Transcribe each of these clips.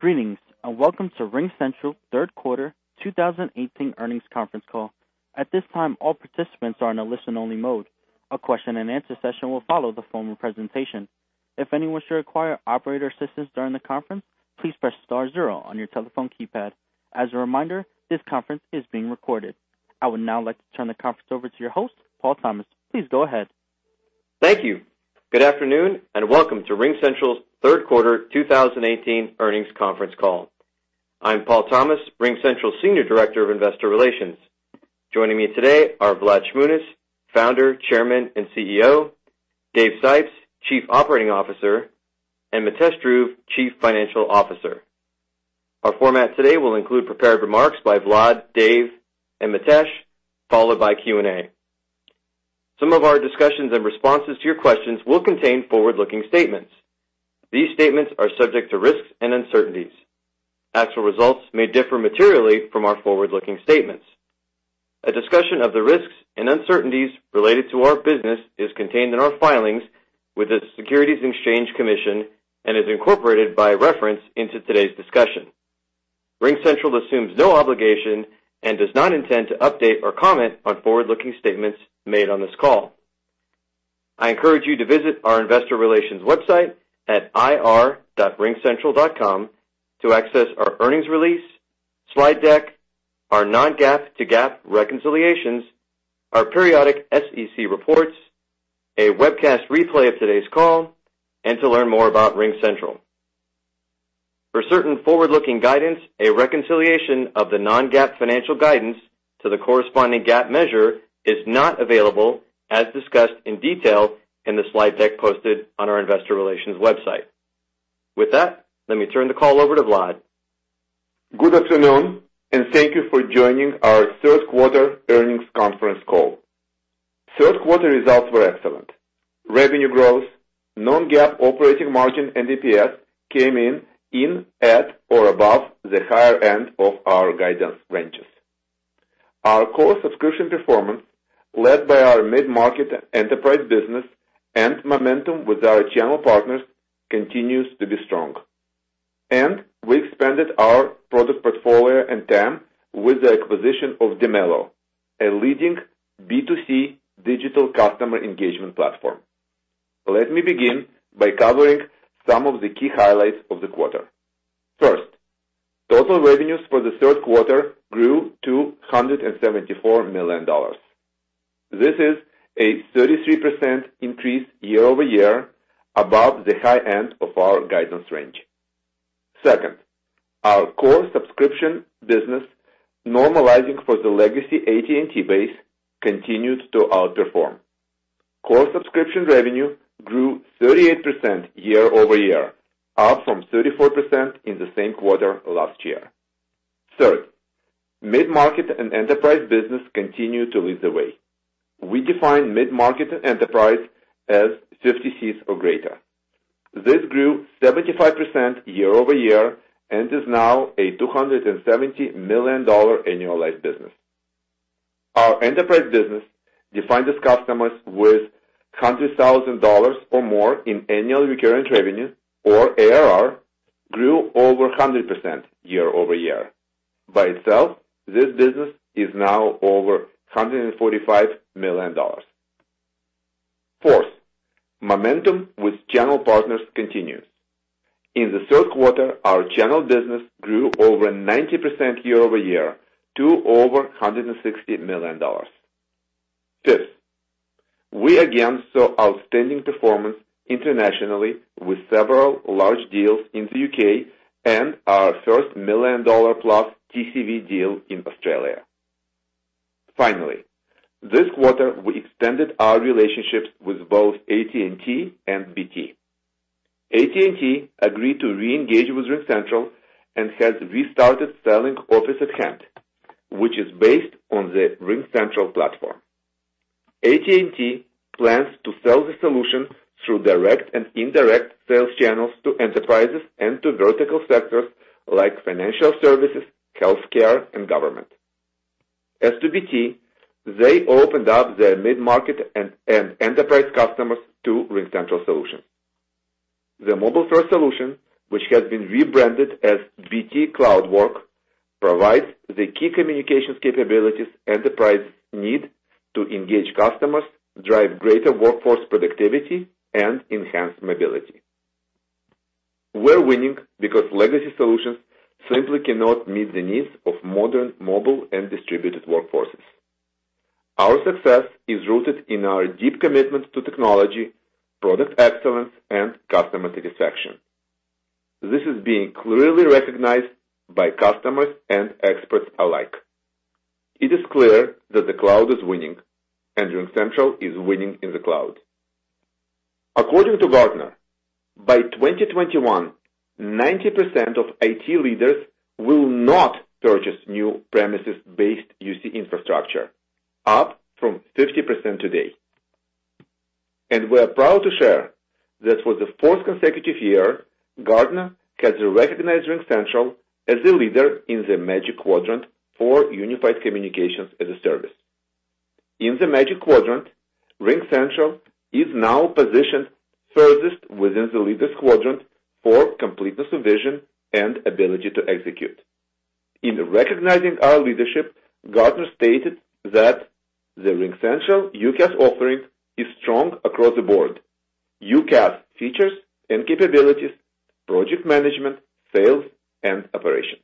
Greetings, welcome to RingCentral's third quarter 2018 earnings conference call. At this time, all participants are in a listen-only mode. A question and answer session will follow the formal presentation. If anyone should require operator assistance during the conference, please press star zero on your telephone keypad. As a reminder, this conference is being recorded. I would now like to turn the conference over to your host, Paul Thomas. Please go ahead. Thank you. Good afternoon, welcome to RingCentral's third quarter 2018 earnings conference call. I'm Paul Thomas, RingCentral's Senior Director of Investor Relations. Joining me today are Vlad Shmunis, Founder, Chairman, and CEO, Dave Sipes, Chief Operating Officer, and Mitesh Dhruv, Chief Financial Officer. Our format today will include prepared remarks by Vlad, Dave, and Mitesh, followed by Q&A. Some of our discussions and responses to your questions will contain forward-looking statements. These statements are subject to risks and uncertainties. Actual results may differ materially from our forward-looking statements. A discussion of the risks and uncertainties related to our business is contained in our filings with the Securities and Exchange Commission and is incorporated by reference into today's discussion. RingCentral assumes no obligation and does not intend to update or comment on forward-looking statements made on this call. I encourage you to visit our investor relations website at ir.ringcentral.com to access our earnings release, slide deck, our non-GAAP to GAAP reconciliations, our periodic SEC reports, a webcast replay of today's call, and to learn more about RingCentral. For certain forward-looking guidance, a reconciliation of the non-GAAP financial guidance to the corresponding GAAP measure is not available as discussed in detail in the slide deck posted on our investor relations website. With that, let me turn the call over to Vlad. Good afternoon, thank you for joining our third quarter earnings conference call. Third quarter results were excellent. Revenue growth, non-GAAP operating margin, and DPS came in at or above the higher end of our guidance ranges. Our core subscription performance, led by our mid-market enterprise business and momentum with our channel partners, continues to be strong. We expanded our product portfolio and TAM with the acquisition of Dimelo, a leading B2C digital customer engagement platform. Let me begin by covering some of the key highlights of the quarter. First, total revenues for the third quarter grew to $174 million. This is a 33% increase year-over-year above the high end of our guidance range. Second, our core subscription business, normalizing for the legacy AT&T base, continued to outperform. Core subscription revenue grew 38% year-over-year, up from 34% in the same quarter last year. Third, mid-market and enterprise business continued to lead the way. We define mid-market and enterprise as 50 seats or greater. This grew 75% year-over-year and is now a $270 million annualized business. Our enterprise business, defined as customers with $100,000 or more in annual recurring revenue or ARR, grew over 100% year-over-year. By itself, this business is now over $145 million. Fourth, momentum with channel partners continues. In the third quarter, our channel business grew over 90% year-over-year to over $160 million. Fifth, we again saw outstanding performance internationally with several large deals in the U.K. and our first million-dollar-plus TCV deal in Australia. Finally, this quarter, we extended our relationships with both AT&T and BT. AT&T agreed to reengage with RingCentral and has restarted selling Office@Hand, which is based on the RingCentral platform. AT&T plans to sell the solution through direct and indirect sales channels to enterprises and to vertical sectors like financial services, healthcare, and government. As to BT, they opened up their mid-market and enterprise customers to RingCentral solutions. The Mobile First solution, which has been rebranded as BT Cloud Work, provides the key communications capabilities enterprise need to engage customers, drive greater workforce productivity, and enhance mobility. We're winning because legacy solutions simply cannot meet the needs of modern mobile and distributed workforces. Our success is rooted in our deep commitment to technology, product excellence, and customer satisfaction. This is being clearly recognized by customers and experts alike. It is clear that the cloud is winning, and RingCentral is winning in the cloud. According to Gartner, by 2021, 90% of IT leaders will not purchase new premises-based UC infrastructure, up from 50% today. We're proud to share that for the fourth consecutive year, Gartner has recognized RingCentral as a leader in the Magic Quadrant for Unified Communications as a Service. In the Magic Quadrant, RingCentral is now positioned furthest within the leaders quadrant for completeness of vision and ability to execute. In recognizing our leadership, Gartner stated that the RingCentral UCaaS offering is strong across the board. UCaaS features and capabilities, project management, sales, and operations.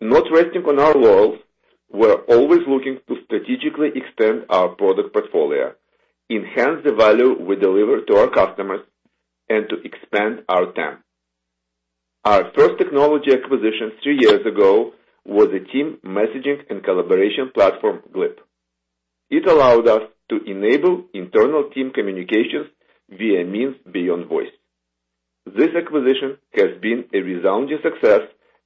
Not resting on our laurels, we're always looking to strategically expand our product portfolio, enhance the value we deliver to our customers, and to expand our team. Our first technology acquisition three years ago was a team messaging and collaboration platform, Glip. It allowed us to enable internal team communications via means beyond voice. This acquisition has been a resounding success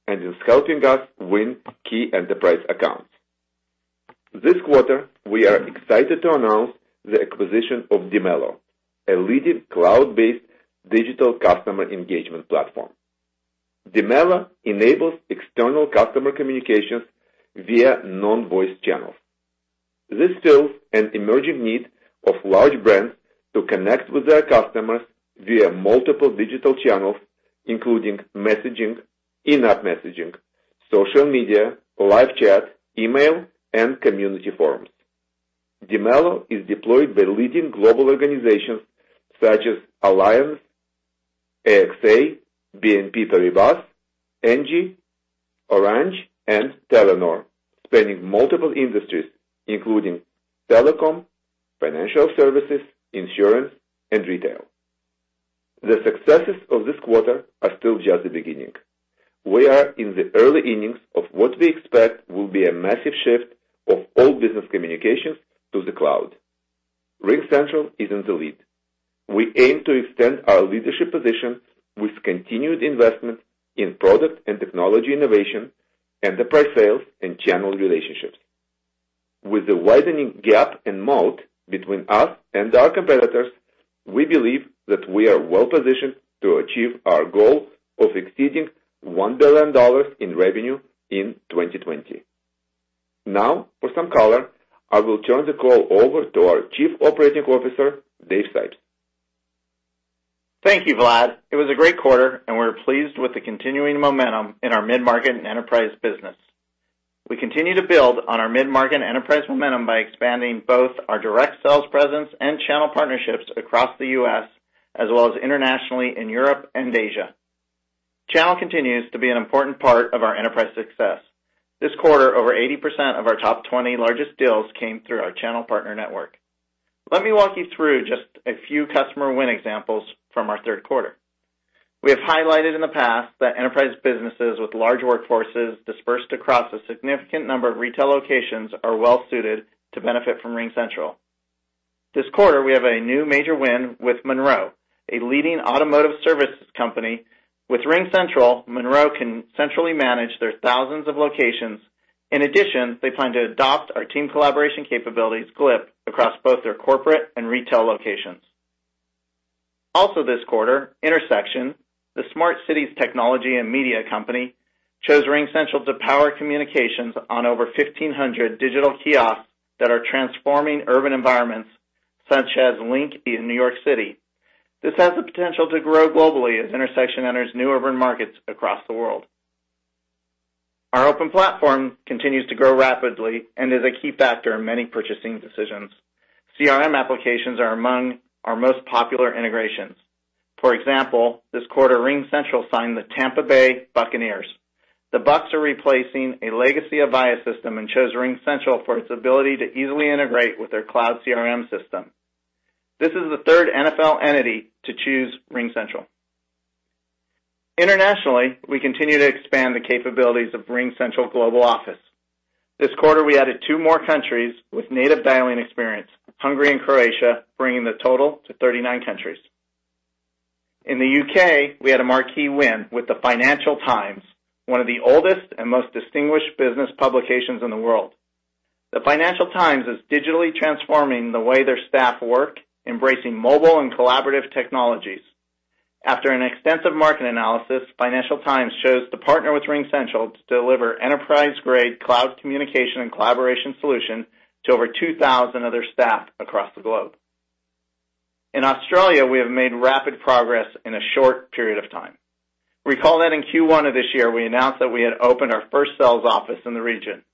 and is helping us win key enterprise accounts. This quarter, we are excited to announce the acquisition of Dimelo, a leading cloud-based digital customer engagement platform. Dimelo enables external customer communications via non-voice channels. This fills an emerging need of large brands to connect with their customers via multiple digital channels, including messaging, in-app messaging, social media, live chat, email, and community forums. Dimelo is deployed by leading global organizations such as Allianz, AXA, BNP Paribas, Engie, Orange, and Telenor, spanning multiple industries including telecom, financial services, insurance, and retail. The successes of this quarter are still just the beginning. We are in the early innings of what we expect will be a massive shift of all business communications to the cloud. RingCentral is in the lead. We aim to extend our leadership position with continued investment in product and technology innovation, enterprise sales, and channel relationships. With a widening gap and moat between us and our competitors, we believe that we are well-positioned to achieve our goal of exceeding $1 billion in revenue in 2020. Now, for some color, I will turn the call over to our Chief Operating Officer, David Sipes. Thank you, Vlad. It was a great quarter, and we're pleased with the continuing momentum in our mid-market and enterprise business. We continue to build on our mid-market enterprise momentum by expanding both our direct sales presence and channel partnerships across the U.S., as well as internationally in Europe and Asia. Channel continues to be an important part of our enterprise success. This quarter, over 80% of our top 20 largest deals came through our channel partner network. Let me walk you through just a few customer win examples from our third quarter. We have highlighted in the past that enterprise businesses with large workforces dispersed across a significant number of retail locations are well suited to benefit from RingCentral. This quarter, we have a new major win with Monro, a leading automotive services company. With RingCentral, Monro can centrally manage their thousands of locations. In addition, they plan to adopt our team collaboration capabilities, Glip, across both their corporate and retail locations. Also this quarter, Intersection, the smart cities technology and media company, chose RingCentral to power communications on over 1,500 digital kiosks that are transforming urban environments such as LinkNYC. This has the potential to grow globally as Intersection enters new urban markets across the world. Our open platform continues to grow rapidly and is a key factor in many purchasing decisions. CRM applications are among our most popular integrations. For example, this quarter, RingCentral signed the Tampa Bay Buccaneers. The Bucs are replacing a legacy Avaya system and chose RingCentral for its ability to easily integrate with their cloud CRM system. This is the third NFL entity to choose RingCentral. Internationally, we continue to expand the capabilities of RingCentral Global Office. This quarter, we added two more countries with native dialing experience, Hungary and Croatia, bringing the total to 39 countries. In the U.K., we had a marquee win with "The Financial Times," one of the oldest and most distinguished business publications in the world. "The Financial Times" is digitally transforming the way their staff work, embracing mobile and collaborative technologies. After an extensive market analysis, "The Financial Times" chose to partner with RingCentral to deliver enterprise-grade cloud communication and collaboration solution to over 2,000 of their staff across the globe. In Australia, we have made rapid progress in a short period of time. Recall that in Q1 of this year, we announced that we had opened our first sales office in the region.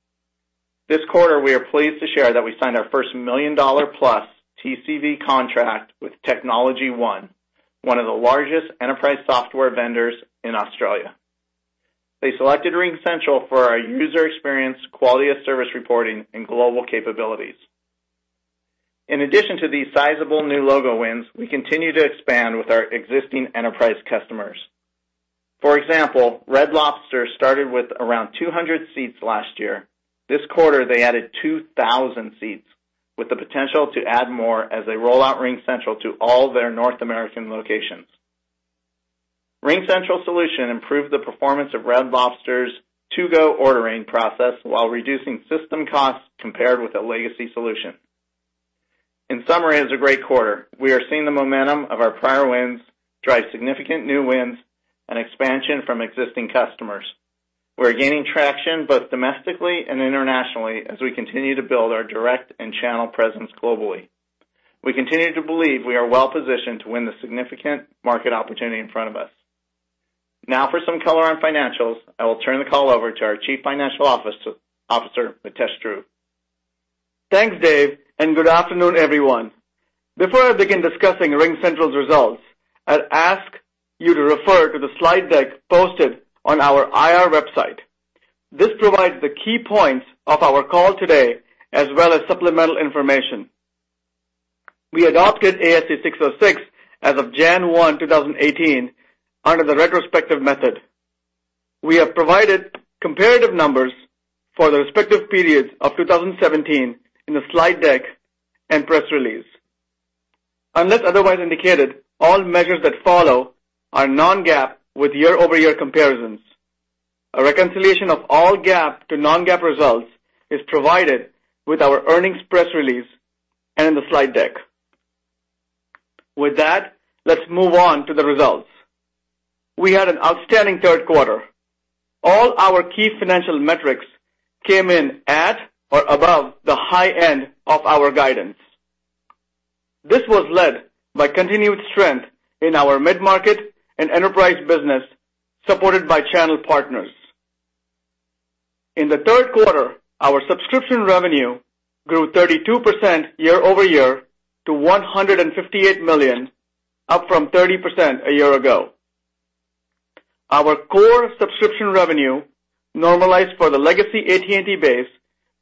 This quarter, we are pleased to share that we signed our first $1 million-plus TCV contract with TechnologyOne, one of the largest enterprise software vendors in Australia. They selected RingCentral for our user experience, quality of service reporting, and global capabilities. In addition to these sizable new logo wins, we continue to expand with our existing enterprise customers. For example, Red Lobster started with around 200 seats last year. This quarter, they added 2,000 seats with the potential to add more as they roll out RingCentral to all their North American locations. RingCentral solution improved the performance of Red Lobster's to-go ordering process while reducing system costs compared with a legacy solution. In summary, it's a great quarter. We are seeing the momentum of our prior wins drive significant new wins and expansion from existing customers. We're gaining traction both domestically and internationally as we continue to build our direct and channel presence globally. We continue to believe we are well-positioned to win the significant market opportunity in front of us. For some color on financials, I will turn the call over to our Chief Financial Officer, Mitesh Dhruv. Thanks, Dave, and good afternoon, everyone. Before I begin discussing RingCentral's results, I'd ask you to refer to the slide deck posted on our IR website. This provides the key points of our call today, as well as supplemental information. We adopted ASC 606 as of January 1, 2018, under the retrospective method. We have provided comparative numbers for the respective periods of 2017 in the slide deck and press release. Unless otherwise indicated, all measures that follow are non-GAAP with year-over-year comparisons. A reconciliation of all GAAP to non-GAAP results is provided with our earnings press release and in the slide deck. With that, let's move on to the results. We had an outstanding third quarter. All our key financial metrics came in at or above the high end of our guidance. This was led by continued strength in our mid-market and enterprise business, supported by channel partners. In the third quarter, our subscription revenue grew 32% year-over-year to $158 million, up from 30% a year ago. Our core subscription revenue, normalized for the legacy AT&T base,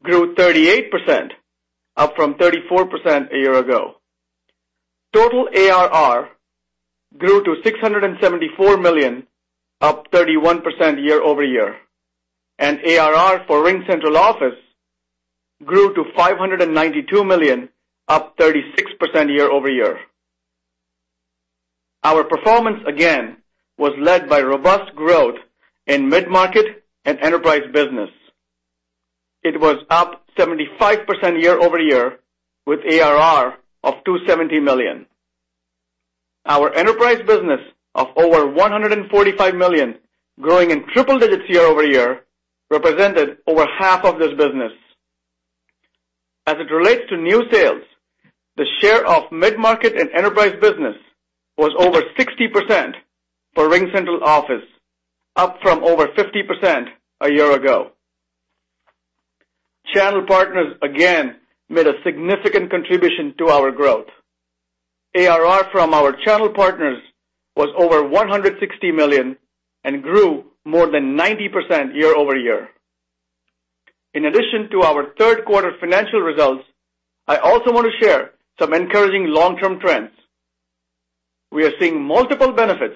grew 38%, up from 34% a year ago. Total ARR grew to $674 million, up 31% year-over-year. ARR for RingCentral Office grew to $592 million, up 36% year-over-year. Our performance, again, was led by robust growth in mid-market and enterprise business. It was up 75% year-over-year, with ARR of $270 million. Our enterprise business of over $145 million, growing in triple digits year-over-year, represented over half of this business. As it relates to new sales, the share of mid-market and enterprise business was over 60% for RingCentral Office, up from over 50% a year ago. Channel partners, again, made a significant contribution to our growth. ARR from our channel partners was over $160 million and grew more than 90% year-over-year. In addition to our third quarter financial results, I also want to share some encouraging long-term trends. We are seeing multiple benefits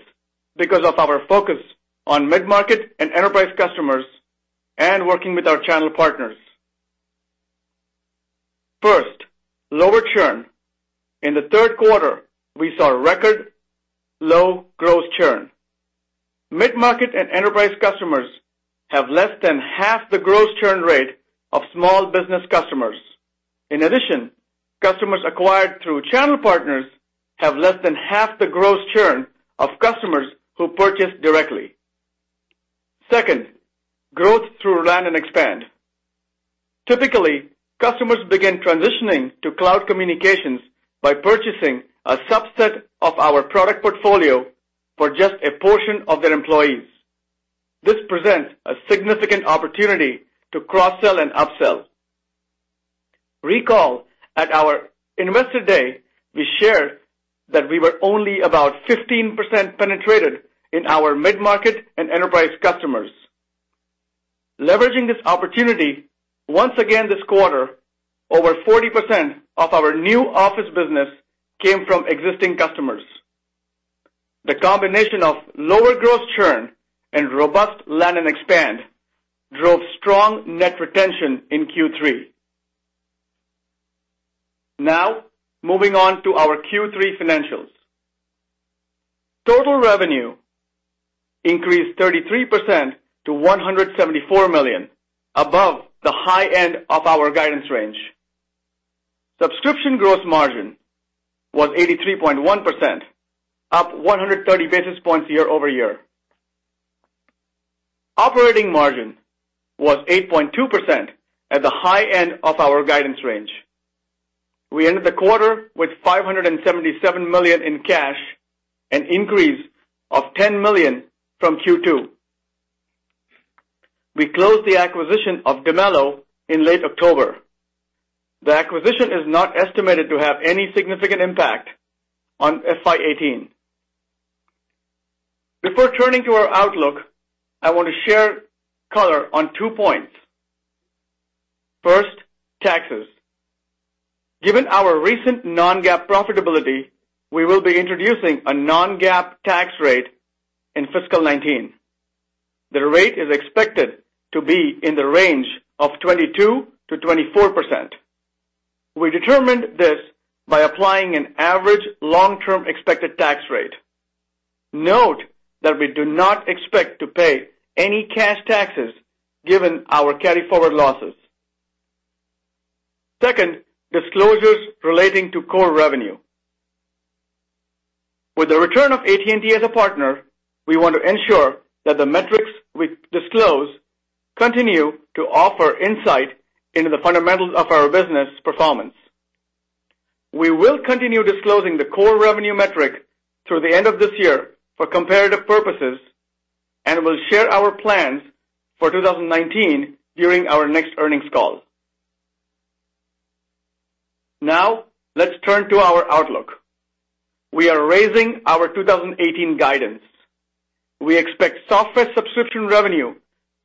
because of our focus on mid-market and enterprise customers and working with our channel partners. First, lower churn. In the third quarter, we saw record low gross churn. Mid-market and enterprise customers have less than half the gross churn rate of small business customers. In addition, customers acquired through channel partners have less than half the gross churn of customers who purchase directly. Second, growth through land and expand. Typically, customers begin transitioning to cloud communications by purchasing a subset of our product portfolio for just a portion of their employees. This presents a significant opportunity to cross-sell and upsell. Recall at our investor day, we shared that we were only about 15% penetrated in our mid-market and enterprise customers. Leveraging this opportunity, once again this quarter, over 40% of our new Office business came from existing customers. The combination of lower gross churn and robust land and expand drove strong net retention in Q3. Moving on to our Q3 financials. Total revenue increased 33% to $174 million above the high end of our guidance range. Subscription growth margin was 83.1%, up 130 basis points year-over-year. Operating margin was 8.2% at the high end of our guidance range. We ended the quarter with $577 million in cash, an increase of $10 million from Q2. We closed the acquisition of Dimelo in late October. The acquisition is not estimated to have any significant impact on FY 2018. Before turning to our outlook, I want to share color on two points. First, taxes. Given our recent non-GAAP profitability, we will be introducing a non-GAAP tax rate in fiscal 2019. The rate is expected to be in the range of 22%-24%. We determined this by applying an average long-term expected tax rate. Note that we do not expect to pay any cash taxes given our carryforward losses. Second, disclosures relating to core revenue. With the return of AT&T as a partner, we want to ensure that the metrics we disclose continue to offer insight into the fundamentals of our business performance. We will continue disclosing the core revenue metric through the end of this year for comparative purposes and will share our plans for 2019 during our next earnings call. Let's turn to our outlook. We are raising our 2018 guidance. We expect software subscription revenue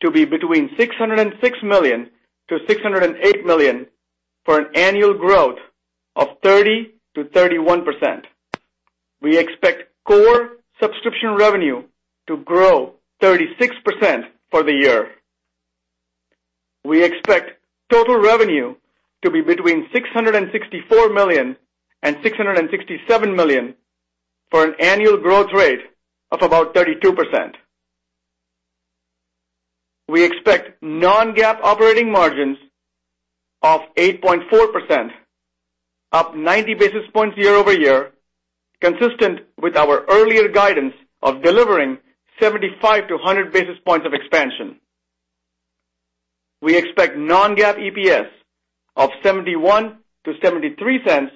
to be between $606 million-$608 million for an annual growth of 30%-31%. We expect core subscription revenue to grow 36% for the year. We expect total revenue to be between $664 million and $667 million for an annual growth rate of about 32%. We expect non-GAAP operating margins of 8.4%, up 90 basis points year-over-year, consistent with our earlier guidance of delivering 75-100 basis points of expansion. We expect non-GAAP EPS of $0.71-$0.73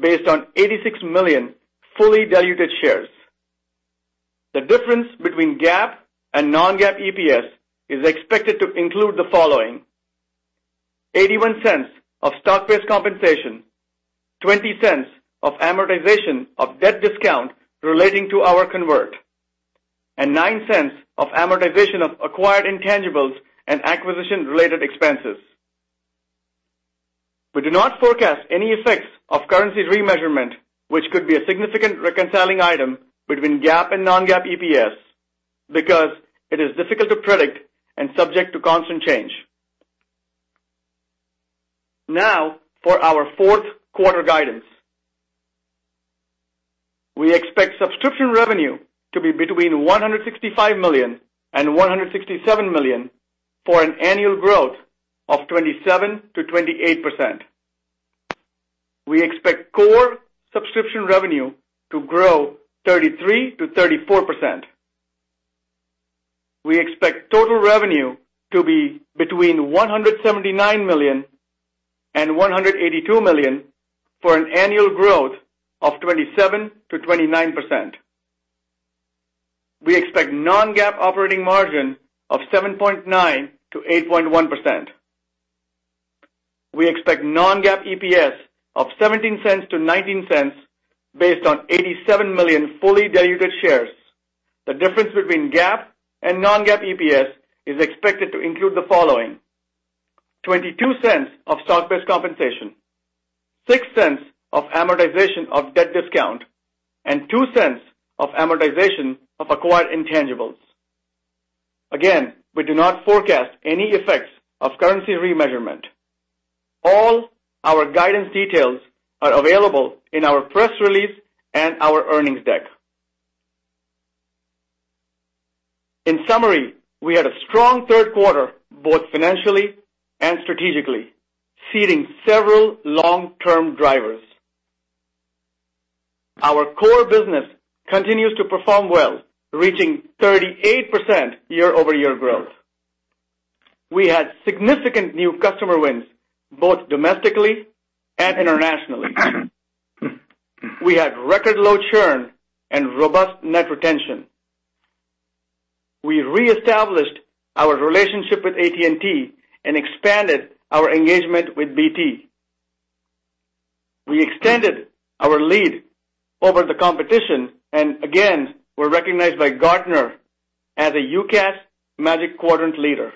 based on 86 million fully diluted shares. The difference between GAAP and non-GAAP EPS is expected to include the following: $0.81 of stock-based compensation, $0.20 of amortization of debt discount relating to our convert, and $0.09 of amortization of acquired intangibles and acquisition related expenses. We do not forecast any effects of currency remeasurement, which could be a significant reconciling item between GAAP and non-GAAP EPS, because it is difficult to predict and subject to constant change. For our fourth quarter guidance. We expect subscription revenue to be between $165 million and $167 million for an annual growth of 27%-28%. We expect core subscription revenue to grow 33%-34%. We expect total revenue to be between $179 million and $182 million for an annual growth of 27%-29%. We expect non-GAAP operating margin of 7.9%-8.1%. We expect non-GAAP EPS of $0.17-$0.19 based on 87 million fully diluted shares. The difference between GAAP and non-GAAP EPS is expected to include the following: $0.22 of stock-based compensation, $0.06 of amortization of debt discount, and $0.02 of amortization of acquired intangibles. Again, we do not forecast any effects of currency remeasurement. All our guidance details are available in our press release and our earnings deck. In summary, we had a strong third quarter, both financially and strategically, seeding several long-term drivers. Our core business continues to perform well, reaching 38% year-over-year growth. We had significant new customer wins, both domestically and internationally. We had record low churn and robust net retention. We reestablished our relationship with AT&T and expanded our engagement with BT. We extended our lead over the competition and again were recognized by Gartner as a UCaaS Magic Quadrant leader.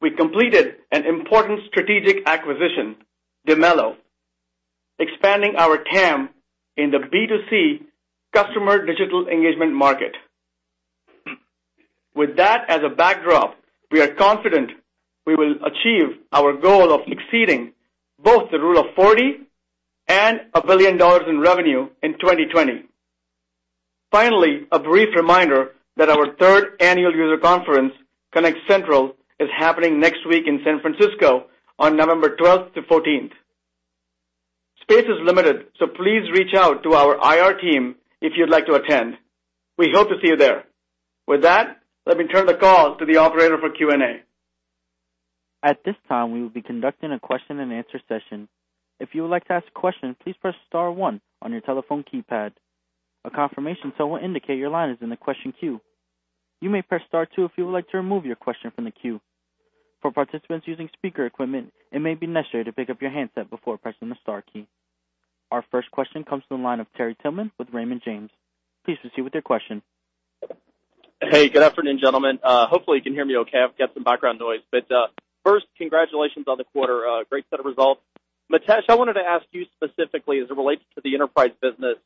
We completed an important strategic acquisition, Dimelo, expanding our TAM in the B2C customer digital engagement market. With that as a backdrop, we are confident we will achieve our goal of exceeding both the rule of 40 and $1 billion in revenue in 2020. Finally, a brief reminder that our third annual user conference, ConnectCentral, is happening next week in San Francisco on November 12th-14th. Space is limited, so please reach out to our IR team if you'd like to attend. We hope to see you there. With that, let me turn the call to the operator for Q&A. At this time, we will be conducting a question and answer session. If you would like to ask a question, please press star one on your telephone keypad. A confirmation tone will indicate your line is in the question queue. You may press star two if you would like to remove your question from the queue. For participants using speaker equipment, it may be necessary to pick up your handset before pressing the star key. Our first question comes from the line of Terry Tillman with Raymond James. Please proceed with your question. Hey, good afternoon, gentlemen. Hopefully, you can hear me okay. I've got some background noise. First, congratulations on the quarter. Great set of results. Mitesh, I wanted to ask you specifically as it relates to the enterprise business.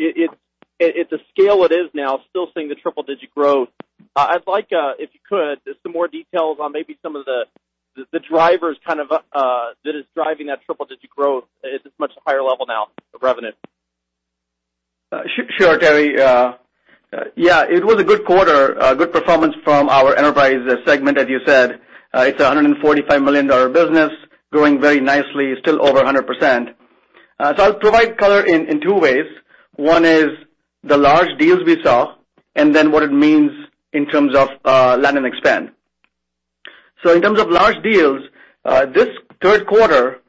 At the scale it is now, still seeing the triple-digit growth. I'd like, if you could, just some more details on maybe some of the drivers that is driving that triple-digit growth is much higher level now of revenue. Sure, Terry. Yeah, it was a good quarter, a good performance from our enterprise segment, as you said. It's $145 million business growing very nicely, still over 100%. I'll provide color in two ways. One is the large deals we saw and then what it means in terms of land and expand. In terms of large deals, this third quarter,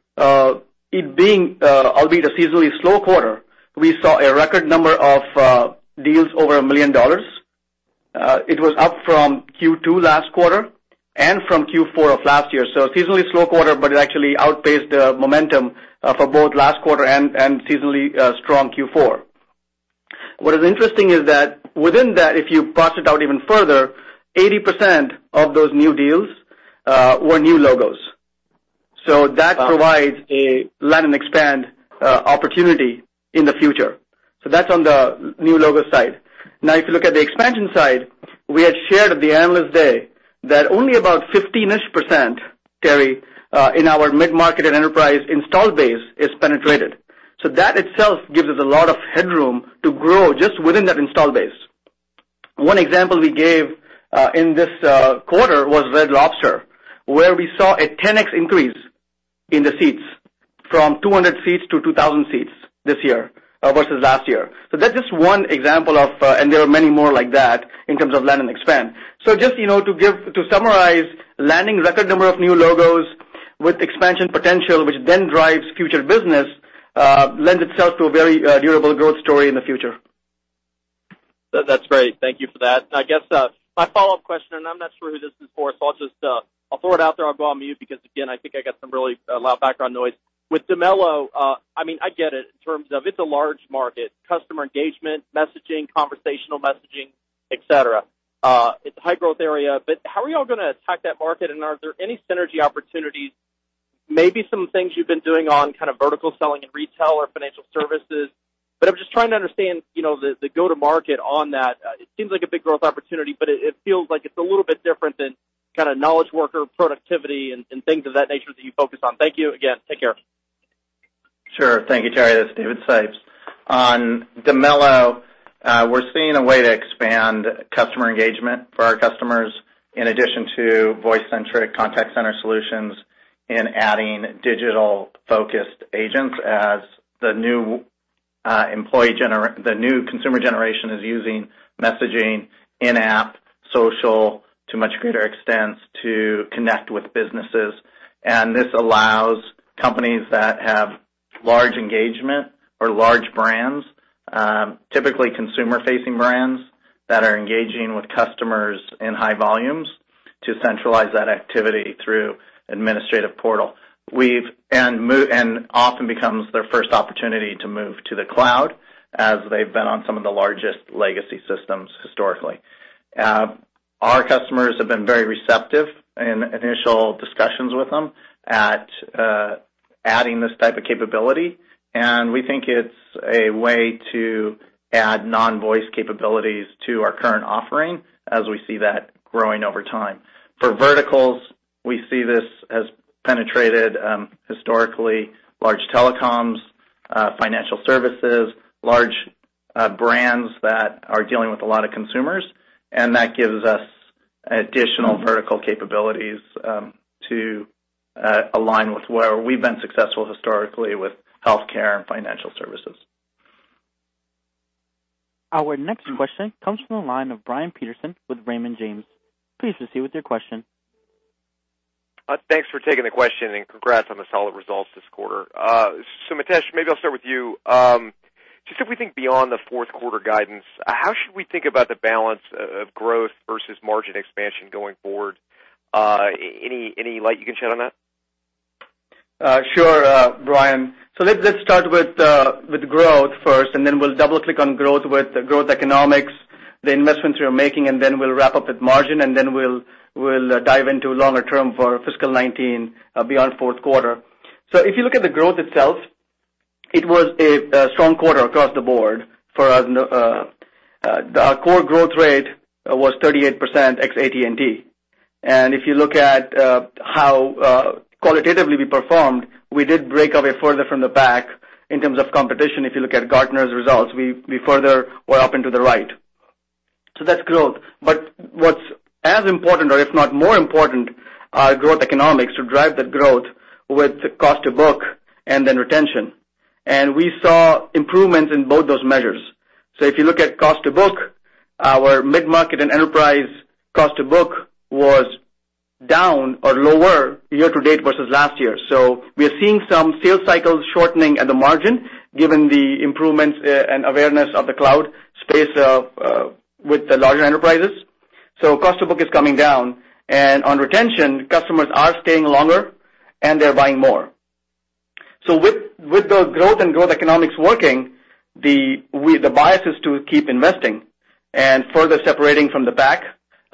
it being, albeit, a seasonally slow quarter, we saw a record number of deals over a million dollars. It was up from Q2 last quarter and from Q4 of last year. Seasonally slow quarter, but it actually outpaced the momentum for both last quarter and seasonally strong Q4. What is interesting is that within that, if you parse it out even further, 80% of those new deals were new logos. That provides a land-and-expand opportunity in the future. That's on the new logo side. If you look at the expansion side, we had shared at the Analyst Day that only about 15%-ish, Terry, in our mid-market and enterprise install base is penetrated. That itself gives us a lot of headroom to grow just within that install base. One example we gave in this quarter was Red Lobster, where we saw a 10X increase in the seats from 200 seats to 2,000 seats this year versus last year. That's just one example of, and there are many more like that in terms of land and expand. Just to summarize, landing record number of new logos with expansion potential, which drives future business lends itself to a very durable growth story in the future. That's great. Thank you for that. I guess my follow-up question, and I'm not sure who this is for, so I'll throw it out there. I'll go on mute because, again, I think I got some really loud background noise. With Dimelo, I get it in terms of it's a large market, customer engagement, messaging, conversational messaging, et cetera. It's a high-growth area. How are you all going to attack that market, and are there any synergy opportunities? Maybe some things you've been doing on kind of vertical selling in retail or financial services. I'm just trying to understand, the go-to market on that. It seems like a big growth opportunity, but it feels like it's a little bit different than kind of knowledge worker productivity and things of that nature that you focus on. Thank you again. Take care. Sure. Thank you, Terry. This is David Sipes. Dimelo, we're seeing a way to expand customer engagement for our customers in addition to voice-centric Contact Center solutions in adding digital-focused agents as the new consumer generation is using messaging, in-app, social to much greater extents to connect with businesses. This allows companies that have large engagement or large brands, typically consumer-facing brands that are engaging with customers in high volumes to centralize that activity through administrative portal. Often becomes their first opportunity to move to the cloud as they've been on some of the largest legacy systems historically. Our customers have been very receptive in initial discussions with them at adding this type of capability, and we think it's a way to add non-voice capabilities to our current offering as we see that growing over time. For verticals, we see this has penetrated, historically, large telecoms, financial services, large brands that are dealing with a lot of consumers, that gives us additional vertical capabilities to align with where we've been successful historically with healthcare and financial services. Our next question comes from the line of Brian Peterson with Raymond James. Please proceed with your question. Thanks for taking the question, congrats on the solid results this quarter. Mitesh, maybe I'll start with you. Just if we think beyond the fourth quarter guidance, how should we think about the balance of growth versus margin expansion going forward? Any light you can shed on that? Sure, Brian. Let's start with growth first, we'll double-click on growth with growth economics, the investments we are making, we'll wrap up with margin, we'll dive into longer term for fiscal 2019 beyond fourth quarter. If you look at the growth itself, it was a strong quarter across the board for us. Our core growth rate was 38% ex AT&T. If you look at how qualitatively we performed, we did break away further from the pack in terms of competition. If you look at Gartner's results, we further were up and to the right. That's growth. What's as important or if not more important are growth economics to drive that growth with cost to book and then retention. We saw improvements in both those measures. If you look at cost to book, our mid-market and enterprise cost to book was down or lower year to date versus last year. We are seeing some sales cycles shortening at the margin given the improvements and awareness of the cloud space with the larger enterprises. Cost to book is coming down. On retention, customers are staying longer and they're buying more. With the growth and growth economics working, the bias is to keep investing and further separating from the pack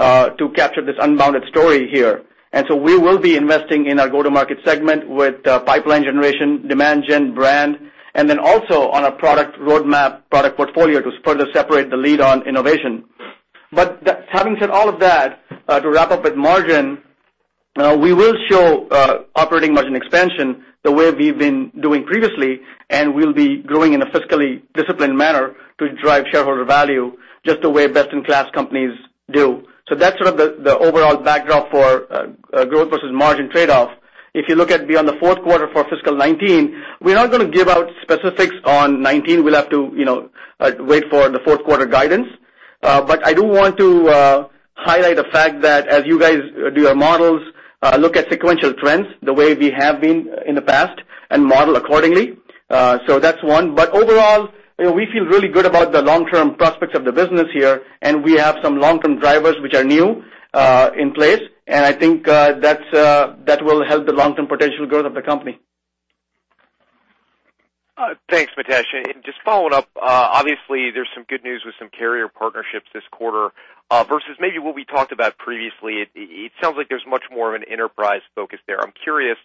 to capture this unbounded story here. We will be investing in our go-to-market segment with pipeline generation, demand gen brand, also on a product roadmap, product portfolio to further separate the lead on innovation. Having said all of that, to wrap up with margin, we will show operating margin expansion the way we've been doing previously, we'll be growing in a fiscally disciplined manner to drive shareholder value, just the way best-in-class companies do. That's sort of the overall backdrop for growth versus margin trade-off. If you look at beyond the fourth quarter for fiscal 2019, we're not going to give out specifics on 2019. We'll have to wait for the fourth quarter guidance. I do want to highlight the fact that as you guys do your models, look at sequential trends, the way we have been in the past, and model accordingly. That's one. Overall, we feel really good about the long-term prospects of the business here, we have some long-term drivers which are new in place, I think that will help the long-term potential growth of the company. Thanks, Mitesh. Just following up, obviously there's some good news with some carrier partnerships this quarter versus maybe what we talked about previously. It sounds like there's much more of an enterprise focus there. I'm curious,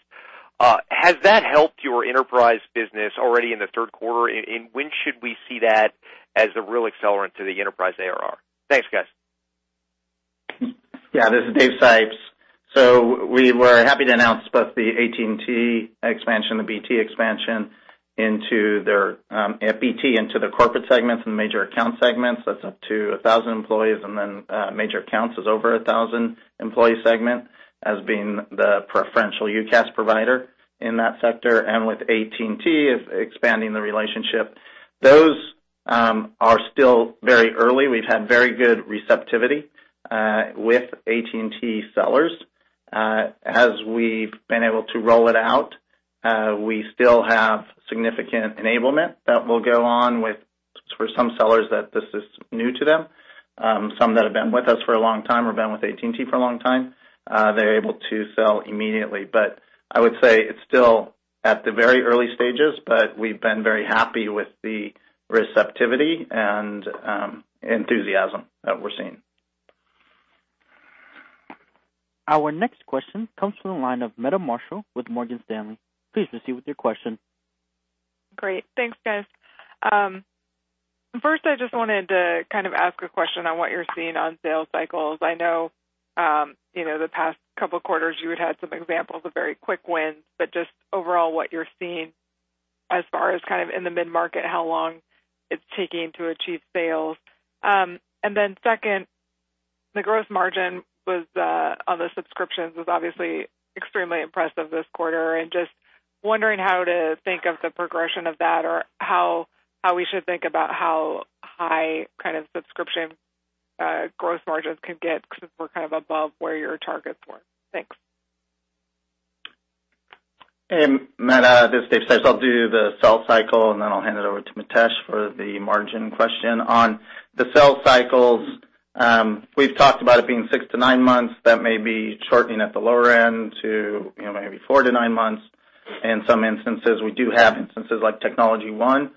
has that helped your enterprise business already in the third quarter? When should we see that as a real accelerant to the enterprise ARR? Thanks, guys. Yeah, this is David Sipes. We were happy to announce both the AT&T expansion, the BT expansion into their, at BT, into their corporate segments and major account segments. That's up to 1,000 employees, then major accounts is over 1,000 employee segment as being the preferential UCaaS provider in that sector, and with AT&T expanding the relationship. Those are still very early. We've had very good receptivity with AT&T sellers. As we've been able to roll it out, we still have significant enablement that will go on with, for some sellers that this is new to them. Some that have been with us for a long time or been with AT&T for a long time, they're able to sell immediately. I would say it's still at the very early stages, but we've been very happy with the receptivity and enthusiasm that we're seeing. Our next question comes from the line of Meta Marshall with Morgan Stanley. Please proceed with your question. Great. Thanks, guys. First, I just wanted to kind of ask a question on what you're seeing on sales cycles. I know the past couple of quarters, you had had some examples of very quick wins, but just overall, what you're seeing as far as in the mid-market, how long it's taking to achieve sales. Then second, the gross margin on the subscriptions was obviously extremely impressive this quarter and just wondering how to think of the progression of that or how we should think about how high subscription gross margins could get because we're above where your targets were. Thanks. Hey, Meta, this is Dave Sipes. I'll do the sell cycle, and then I'll hand it over to Mitesh for the margin question. On the sell cycles, we've talked about it being six to nine months. That may be shortening at the lower end to maybe four to nine months. In some instances, we do have instances like TechnologyOne,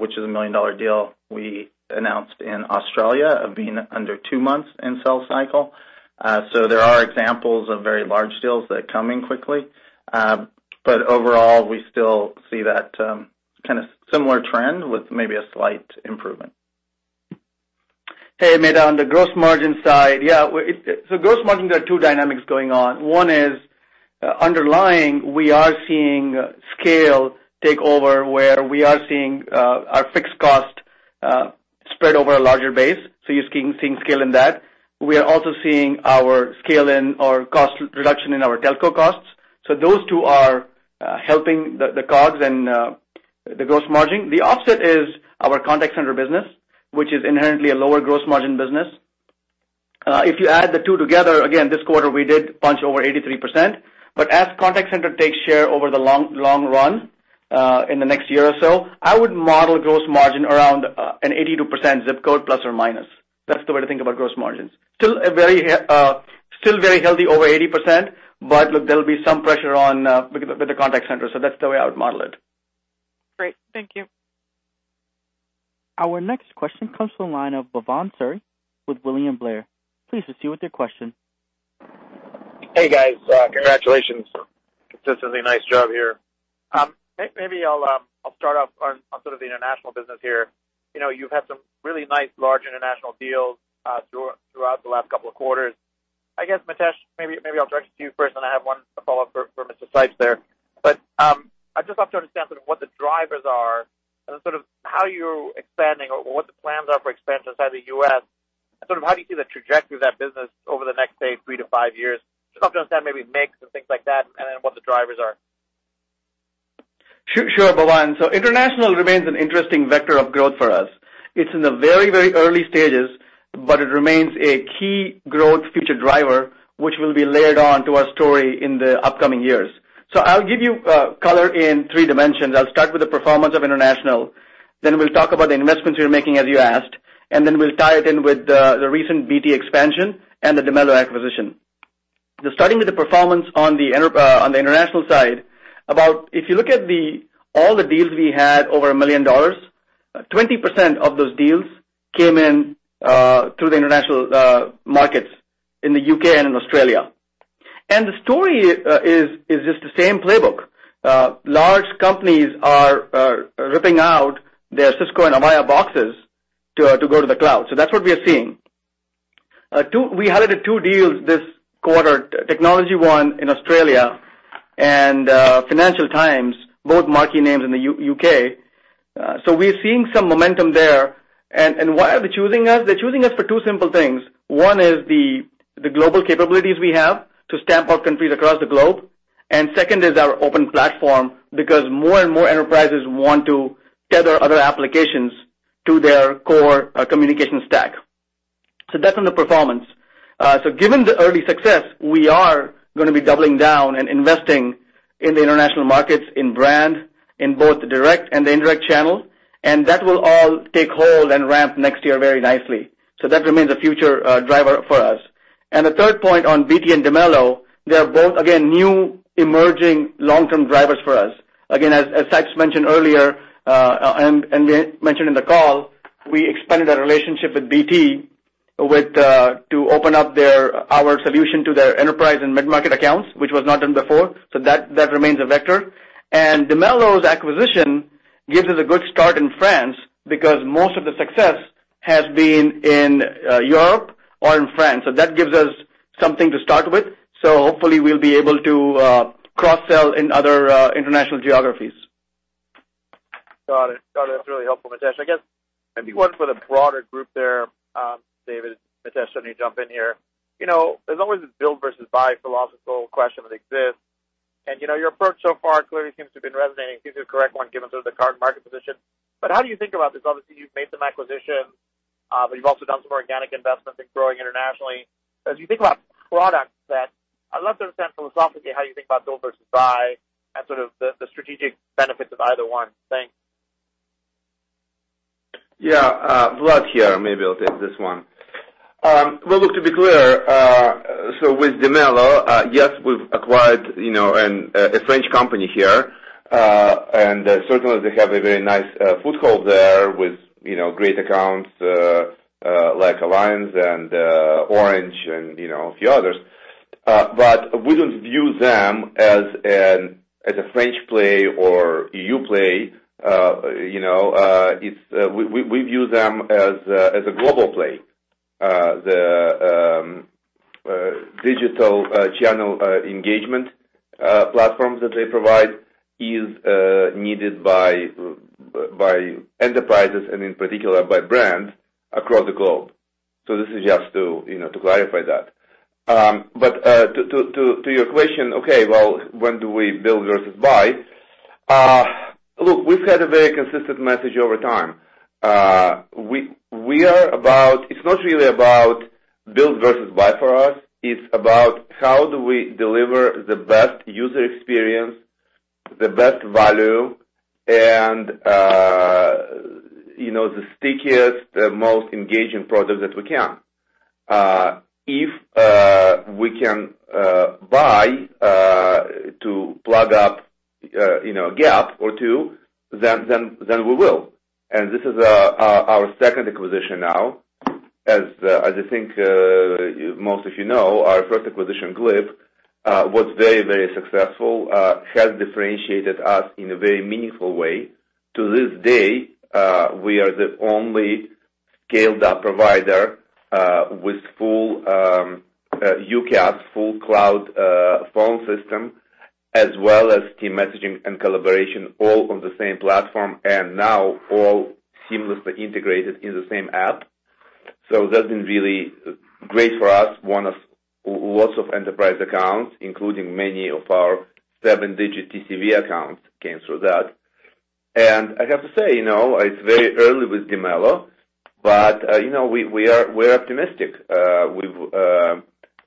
which is a $1 million deal we announced in Australia of being under two months in sell cycle. There are examples of very large deals that come in quickly. Overall, we still see that kind of similar trend with maybe a slight improvement. Hey, Meta, on the gross margin side, Gross margin, there are two dynamics going on. One is underlying, we are seeing scale take over where we are seeing our fixed cost spread over a larger base. You're seeing scale in that. We are also seeing our scale in our cost reduction in our telco costs. Those two are helping the COGS and the gross margin. The offset is our Contact Center business, which is inherently a lower gross margin business. If you add the two together, again, this quarter, we did punch over 83%, as Contact Center takes share over the long run, in the next year or so, I would model gross margin around an 82% zip code, plus or minus. That's the way to think about gross margins. Still very healthy over 80%, look, there'll be some pressure with the Contact Center, that's the way I would model it. Great. Thank you. Our next question comes from the line of Bhavan Suri with William Blair. Please proceed with your question. Hey, guys. Congratulations. Consistently nice job here. Maybe I'll start off on sort of the international business here. You've had some really nice large international deals throughout the last couple of quarters. I guess, Mitesh, maybe I'll direct it to you first, then I have one follow-up for Mr. Sipes there. I'd just love to understand sort of what the drivers are and then how you're expanding or what the plans are for expansion inside the U.S., and how do you see the trajectory of that business over the next, say, three to five years? Just love to understand maybe mix and things like that, and then what the drivers are. Sure, Bhavan. International remains an interesting vector of growth for us. It's in the very, very early stages, but it remains a key growth future driver, which will be layered on to our story in the upcoming years. I'll give you color in three dimensions. I'll start with the performance of international, then we'll talk about the investments we're making, as you asked, and then we'll tie it in with the recent BT expansion and the Dimelo acquisition. Starting with the performance on the international side, if you look at all the deals we had over a million dollars, 20% of those deals came in through the international markets in the U.K. and in Australia. The story is just the same playbook. Large companies are ripping out their Cisco and Avaya boxes to go to the cloud. That's what we are seeing. We added two deals this quarter, TechnologyOne in Australia and The Financial Times, both marquee names in the U.K. We're seeing some momentum there. Why are they choosing us? They're choosing us for two simple things. One is the global capabilities we have to stamp our countries across the globe, and second is our open platform, because more and more enterprises want to tether other applications to their core communication stack. That's on the performance. Given the early success, we are going to be doubling down and investing in the international markets, in brand, in both the direct and the indirect channel, and that will all take hold and ramp next year very nicely. There remains a future driver for us. The third point on BT and Dimelo, they are both, again, new emerging long-term drivers for us. As David Sipes mentioned earlier, and mentioned in the call, we expanded our relationship with BT to open up our solution to their enterprise and mid-market accounts, which was not done before. That remains a vector. Dimelo's acquisition gives us a good start in France because most of the success has been in Europe or in France. That gives us something to start with. Hopefully we'll be able to cross-sell in other international geographies. Got it. That's really helpful, Mitesh. I guess maybe one for the broader group there. David, Mitesh, why don't you jump in here. There's always this build versus buy philosophical question that exists, and your approach so far clearly seems to have been resonating. Seems the correct one, given sort of the current market position. How do you think about this? Obviously, you've made some acquisitions, but you've also done some organic investment in growing internationally. As you think about product set, I'd love to understand philosophically how you think about build versus buy and sort of the strategic benefits of either one. Thanks. Yeah. Vlad here. Maybe I'll take this one. Well, look, to be clear, so with Dimelo, yes, we've acquired a French company here, and certainly they have a very nice foothold there with great accounts like Allianz and Orange, and a few others. We don't view them as a French play or EU play. We view them as a global play. The digital channel engagement platforms that they provide is needed by enterprises and in particular by brands across the globe. This is just to clarify that. To your question, okay, well, when do we build versus buy? Look, we've had a very consistent message over time. It's not really about build versus buy for us. It's about how do we deliver the best user experience, the best value, and the stickiest, the most engaging product that we can. If we can buy to plug up a gap or two, we will. This is our second acquisition now. As I think most of you know, our first acquisition, Glip, was very successful. Has differentiated us in a very meaningful way. To this day, we are the only scaled-up provider with full UCaaS, full cloud phone system, as well as team messaging and collaboration all on the same platform, and now all seamlessly integrated in the same app. That's been really great for us. Won us lots of enterprise accounts, including many of our 7-digit TCV accounts came through that. I have to say, it's very early with Dimelo, but we're optimistic.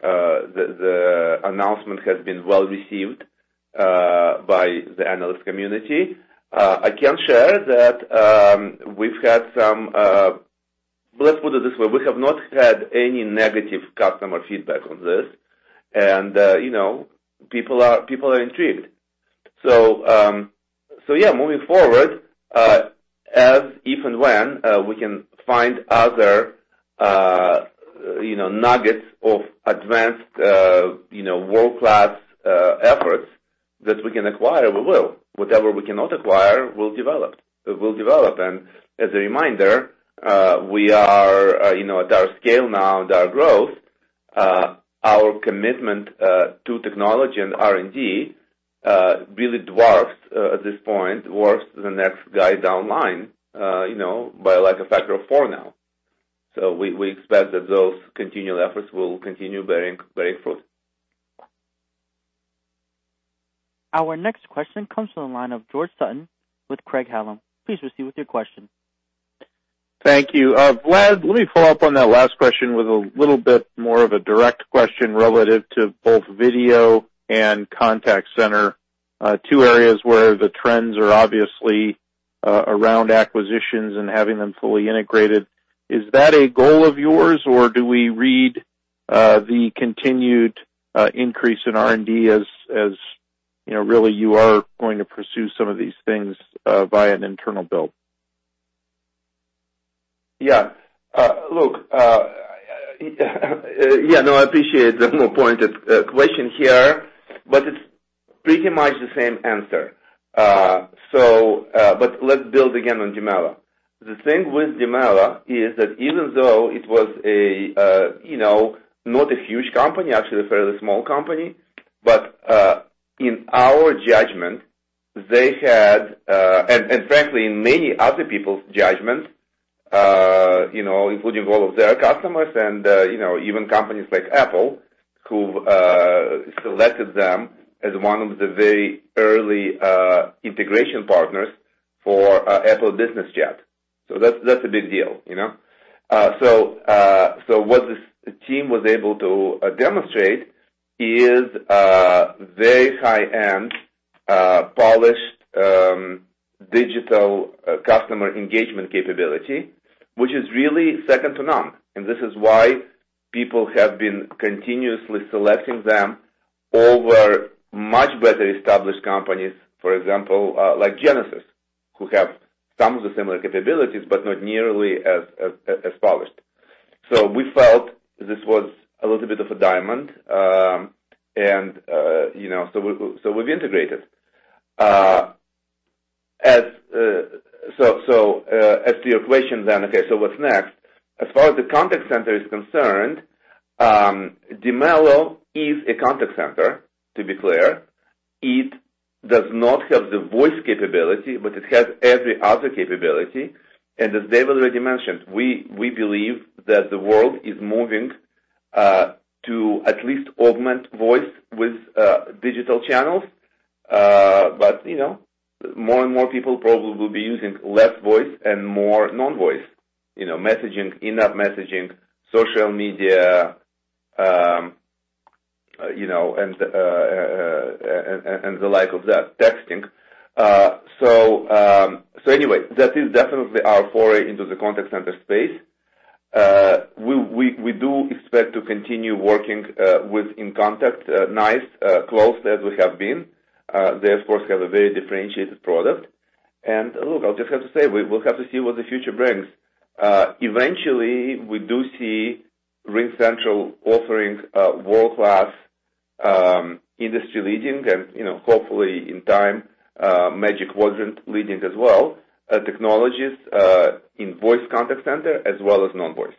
The announcement has been well received by the analyst community. I can share that we've had some. We have not had any negative customer feedback on this, and people are intrigued. Moving forward, as if and when we can find other nuggets of advanced world-class efforts that we can acquire, we will. Whatever we cannot acquire, we'll develop. As a reminder, at our scale now and our growth, our commitment to technology and R&D really dwarfs at this point, dwarfs the next guy downline by like a factor of 4 now. We expect that those continual efforts will continue bearing fruit. Our next question comes from the line of George Sutton with Craig-Hallum. Please proceed with your question. Thank you. Vlad, let me follow up on that last question with a little bit more of a direct question relative to both video and Contact Center. Two areas where the trends are obviously around acquisitions and having them fully integrated. Is that a goal of yours, or do we read the continued increase in R&D as really you are going to pursue some of these things via an internal build? Look, I appreciate the more pointed question here, but it's pretty much the same answer. Let's build again on Dimelo. The thing with Dimelo is that even though it was not a huge company, actually a fairly small company, but in our judgment, and frankly, in many other people's judgment, including all of their customers and even companies like Apple, who selected them as one of the very early integration partners for Apple Business Chat. That's a big deal. What this team was able to demonstrate is a very high-end, polished digital customer engagement capability, which is really second to none. This is why people have been continuously selecting them over much better-established companies, for example, like Genesys, who have some of the similar capabilities, but not nearly as polished. We felt this was a little bit of a diamond, so we've integrated. As to your question, okay, what's next? As far as the Contact Center is concerned, Dimelo is a Contact Center, to be clear. It does not have the voice capability, it has every other capability. As Dave already mentioned, we believe that the world is moving to at least augment voice with digital channels. More and more people probably will be using less voice and more non-voice. Messaging, in-app messaging, social media, and the like of that, texting. That is definitely our foray into the Contact Center space. We do expect to continue working with NICE inContact, close as we have been. They, of course, have a very differentiated product. Look, I'll just have to say, we'll have to see what the future brings. Eventually, we do see RingCentral offering world-class, industry-leading, and hopefully in time, Magic Quadrant leading as well, technologies in voice Contact Center as well as non-voice.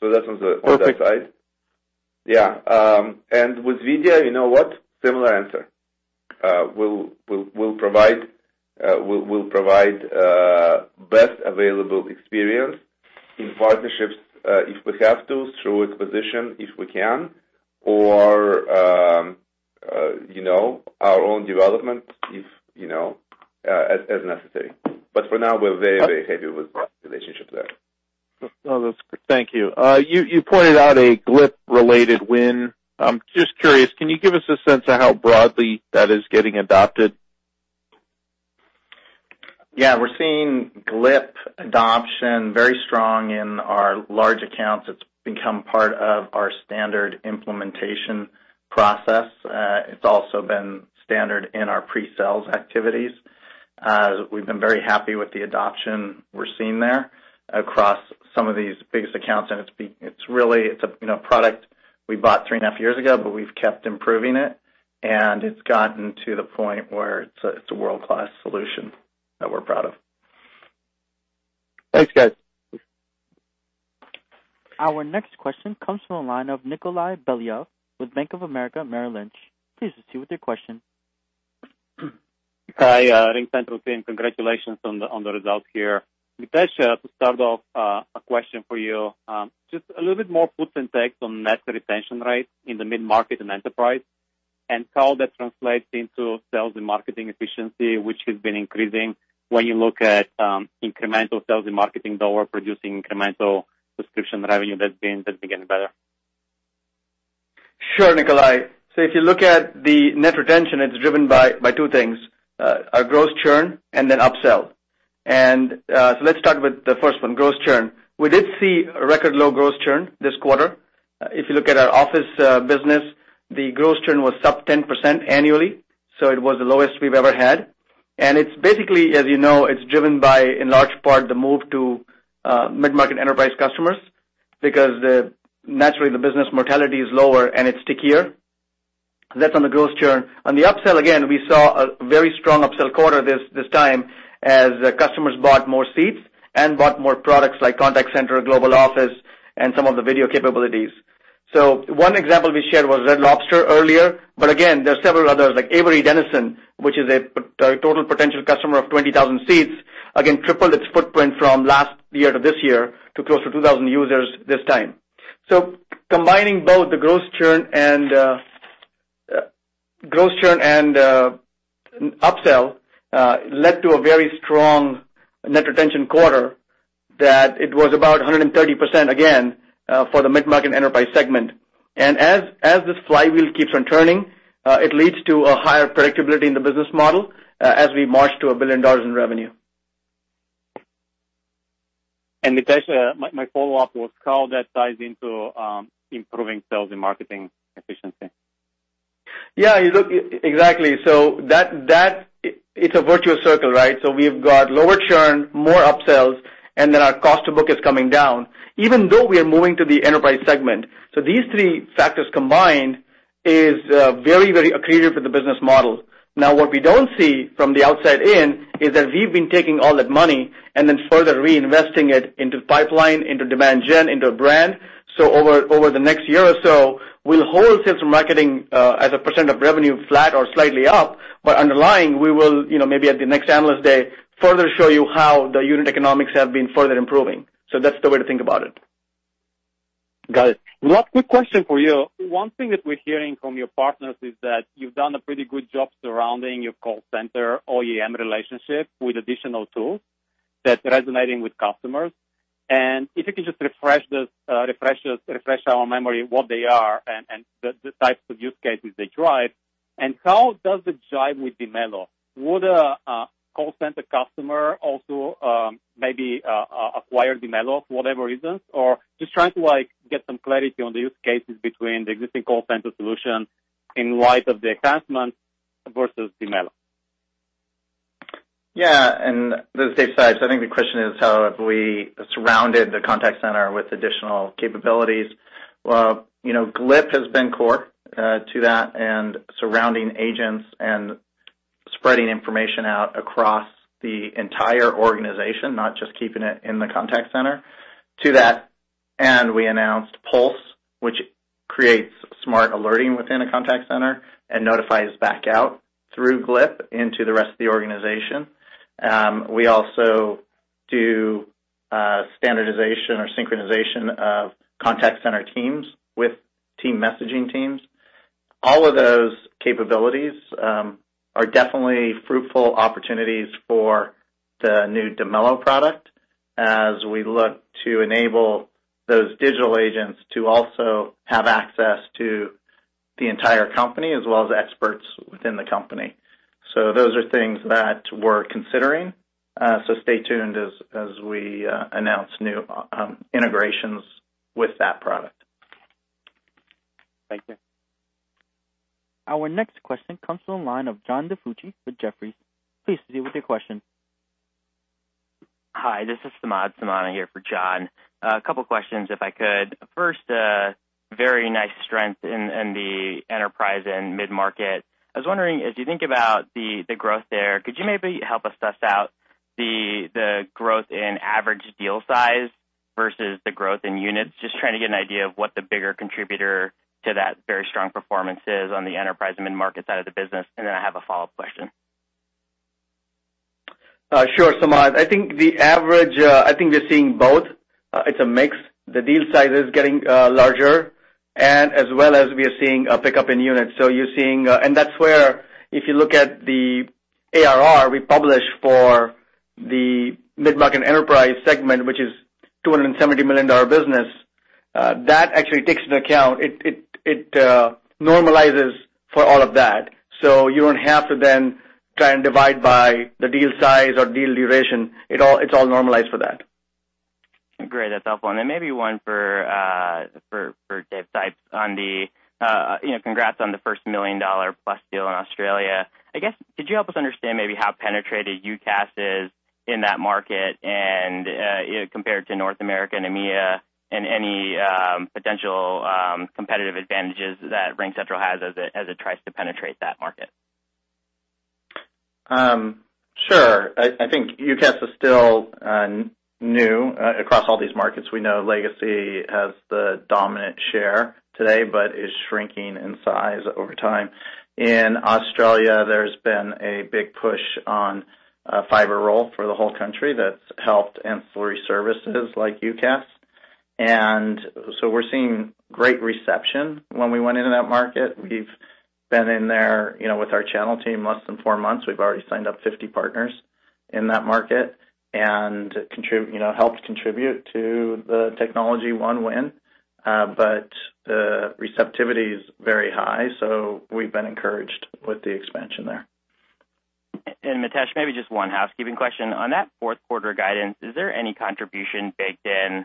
That's on the other side. Perfect. Yeah. With video, you know what? Similar answer. We'll provide best available experience in partnerships if we have to, through acquisition if we can, or our own development as necessary. For now, we're very, very happy with the relationship there. No, that's great. Thank you. You pointed out a Glip-related win. Just curious, can you give us a sense of how broadly that is getting adopted? Yeah, we're seeing Glip adoption very strong in our large accounts. It's become part of our standard implementation process. It's also been standard in our pre-sales activities. We've been very happy with the adoption we're seeing there across some of these biggest accounts, and it's a product we bought three and a half years ago, but we've kept improving it, and it's gotten to the point where it's a world-class solution that we're proud of. Thanks, guys. Our next question comes from the line of Nikolay Beliov with Bank of America Merrill Lynch. Please proceed with your question. Hi, RingCentral team. Congratulations on the results here. Mitesh, to start off, a question for you. Just a little bit more puts and takes on net retention rates in the mid-market and enterprise, and how that translates into sales and marketing efficiency, which has been increasing when you look at incremental sales and marketing dollar producing incremental subscription revenue that's been getting better. Sure, Nikolay. If you look at the net retention, it's driven by two things, our gross churn and upsell. Let's start with the first one, gross churn. We did see a record low gross churn this quarter. If you look at our Office business, the gross churn was sub 10% annually, it was the lowest we've ever had. It's basically, as you know, it's driven by, in large part, the move to mid-market enterprise customers because naturally the business mortality is lower and it's stickier. That's on the gross churn. On the upsell, again, we saw a very strong upsell quarter this time as customers bought more seats and bought more products like Contact Center, Global Office, and some of the video capabilities. One example we shared was Red Lobster earlier, but again, there are several others like Avery Dennison, which is a total potential customer of 20,000 seats, again, tripled its footprint from last year to this year to close to 2,000 users this time. Combining both the gross churn and upsell led to a very strong net retention quarter that it was about 130% again for the mid-market enterprise segment. As this flywheel keeps on turning, it leads to a higher predictability in the business model as we march to $1 billion in revenue. Mitesh, my follow-up was how that ties into improving sales and marketing efficiency. Yeah, exactly. It's a virtuous circle, right? We've got lower churn, more upsells, and our cost to book is coming down, even though we are moving to the enterprise segment. These three factors combined is very accretive for the business model. Now, what we don't see from the outside in, is that we've been taking all that money and further reinvesting it into pipeline, into demand gen, into brand. Over the next year or so, we'll hold sales and marketing, as a % of revenue, flat or slightly up. Underlying, we will, maybe at the next Analyst Day, further show you how the unit economics have been further improving. That's the way to think about it. Got it. One quick question for you. One thing that we're hearing from your partners is that you've done a pretty good job surrounding your Contact Center OEM relationship with additional tools that's resonating with customers. If you can just refresh our memory what they are and the types of use cases they drive. How does it jive with Dimelo? Would a Contact Center customer also maybe acquire Dimelo for whatever reasons? Or just trying to get some clarity on the use cases between the existing Contact Center solution in light of the enhancement versus Dimelo. Yeah. Dave Sipes, I think the question is how have we surrounded the Contact Center with additional capabilities. Well, Glip has been core to that and surrounding agents and spreading information out across the entire organization, not just keeping it in the Contact Center. To that end we announced Pulse, which creates smart alerting within a Contact Center and notifies back out through Glip into the rest of the organization. We also do standardization or synchronization of Contact Center teams with team messaging teams. All of those capabilities are definitely fruitful opportunities for the new Dimelo product as we look to enable those digital agents to also have access to the entire company as well as experts within the company. Those are things that we're considering. Stay tuned as we announce new integrations with that product. Thank you. Our next question comes from the line of John DiFucci with Jefferies. Please proceed with your question. Hi, this is Samad Samana here for John. A couple questions, if I could. First, very nice strength in the enterprise and mid-market. I was wondering, as you think about the growth there, could you maybe help us suss out the growth in average deal size versus the growth in units? Just trying to get an idea of what the bigger contributor to that very strong performance is on the enterprise and mid-market side of the business. I have a follow-up question. Sure, Samad. I think we're seeing both. It's a mix. The deal size is getting larger, and as well as we are seeing a pickup in units. That's where if you look at the ARR we publish for the mid-market enterprise segment, which is a $270 million business, that actually takes into account, it normalizes for all of that. You don't have to then try and divide by the deal size or deal duration. It's all normalized for that. Great. That's helpful. Maybe one for Dave Sipes. Congrats on the first million-dollar plus deal in Australia. I guess, could you help us understand maybe how penetrated UCaaS is in that market and compared to North America and EMEA and any potential competitive advantages that RingCentral has as it tries to penetrate that market? Sure. I think UCaaS is still new across all these markets. We know Legacy has the dominant share today, but is shrinking in size over time. In Australia, there's been a big push on fiber roll for the whole country that's helped ancillary services like UCaaS. We're seeing great reception when we went into that market. We've been in there with our channel team less than four months. We've already signed up 50 partners in that market and helped contribute to the TechnologyOne win. The receptivity is very high, we've been encouraged with the expansion there. Mitesh, maybe just one housekeeping question. On that fourth quarter guidance, is there any contribution baked in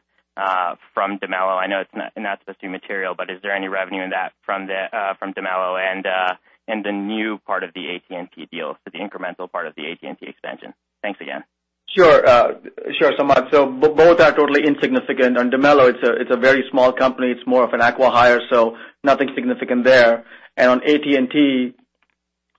from Dimelo? I know it's not supposed to be material, is there any revenue in that from Dimelo and the new part of the AT&T deal, so the incremental part of the AT&T expansion? Thanks again. Sure, Samad. Both are totally insignificant. On Dimelo, it's a very small company. It's more of an acqui-hire, nothing significant there. On AT&T,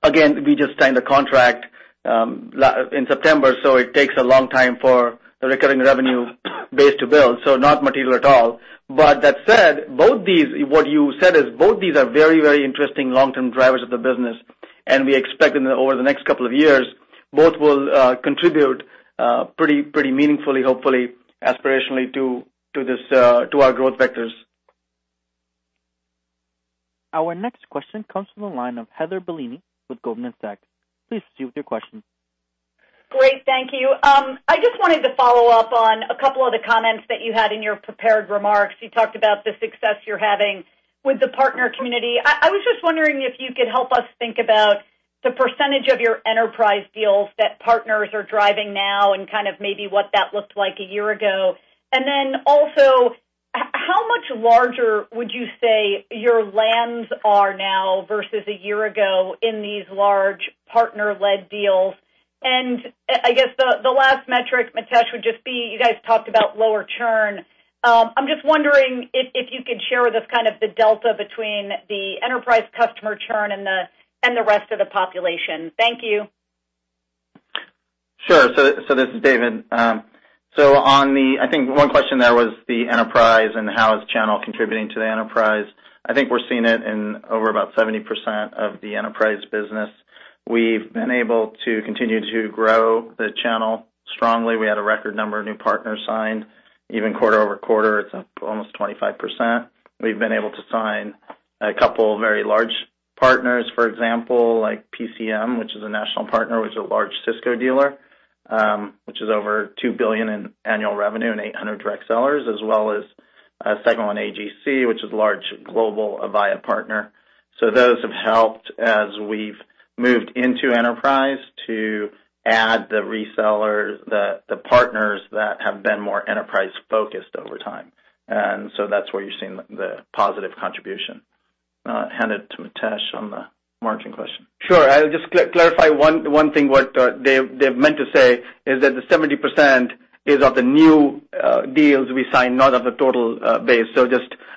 again, we just signed a contract in September, it takes a long time for the recurring revenue base to build, not material at all. That said, what you said is both these are very interesting long-term drivers of the business, and we expect over the next couple of years, both will contribute pretty meaningfully, hopefully, aspirationally to our growth vectors. Our next question comes from the line of Heather Bellini with Goldman Sachs. Please proceed with your question. Great. Thank you. I just wanted to follow up on a couple of the comments that you had in your prepared remarks. You talked about the success you're having with the partner community. I was just wondering if you could help us think about the % of your enterprise deals that partners are driving now and kind of maybe what that looked like a year ago. How much larger would you say your lands are now versus a year ago in these large partner-led deals? I guess the last metric, Mitesh, would just be, you guys talked about lower churn. I'm just wondering if you could share with us the delta between the enterprise customer churn and the rest of the population. Thank you. Sure. This is David. I think one question there was the enterprise and how is channel contributing to the enterprise. I think we're seeing it in over about 70% of the enterprise business. We've been able to continue to grow the channel strongly. We had a record number of new partners signed even quarter-over-quarter. It's up almost 25%. We've been able to sign a couple very large partners, for example, like PCM, which is a national partner, which is a large Cisco dealer, which is over $2 billion in annual revenue and 800 direct sellers, as well as ScanSource and AGC, which is large global Avaya partner. Those have helped as we've moved into enterprise to add the partners that have been more enterprise-focused over time. That's where you're seeing the positive contribution. Hand it to Mitesh on the margin question. Sure. I'll just clarify one thing. What Dave meant to say is that the 70% is of the new deals we signed, not of the total base.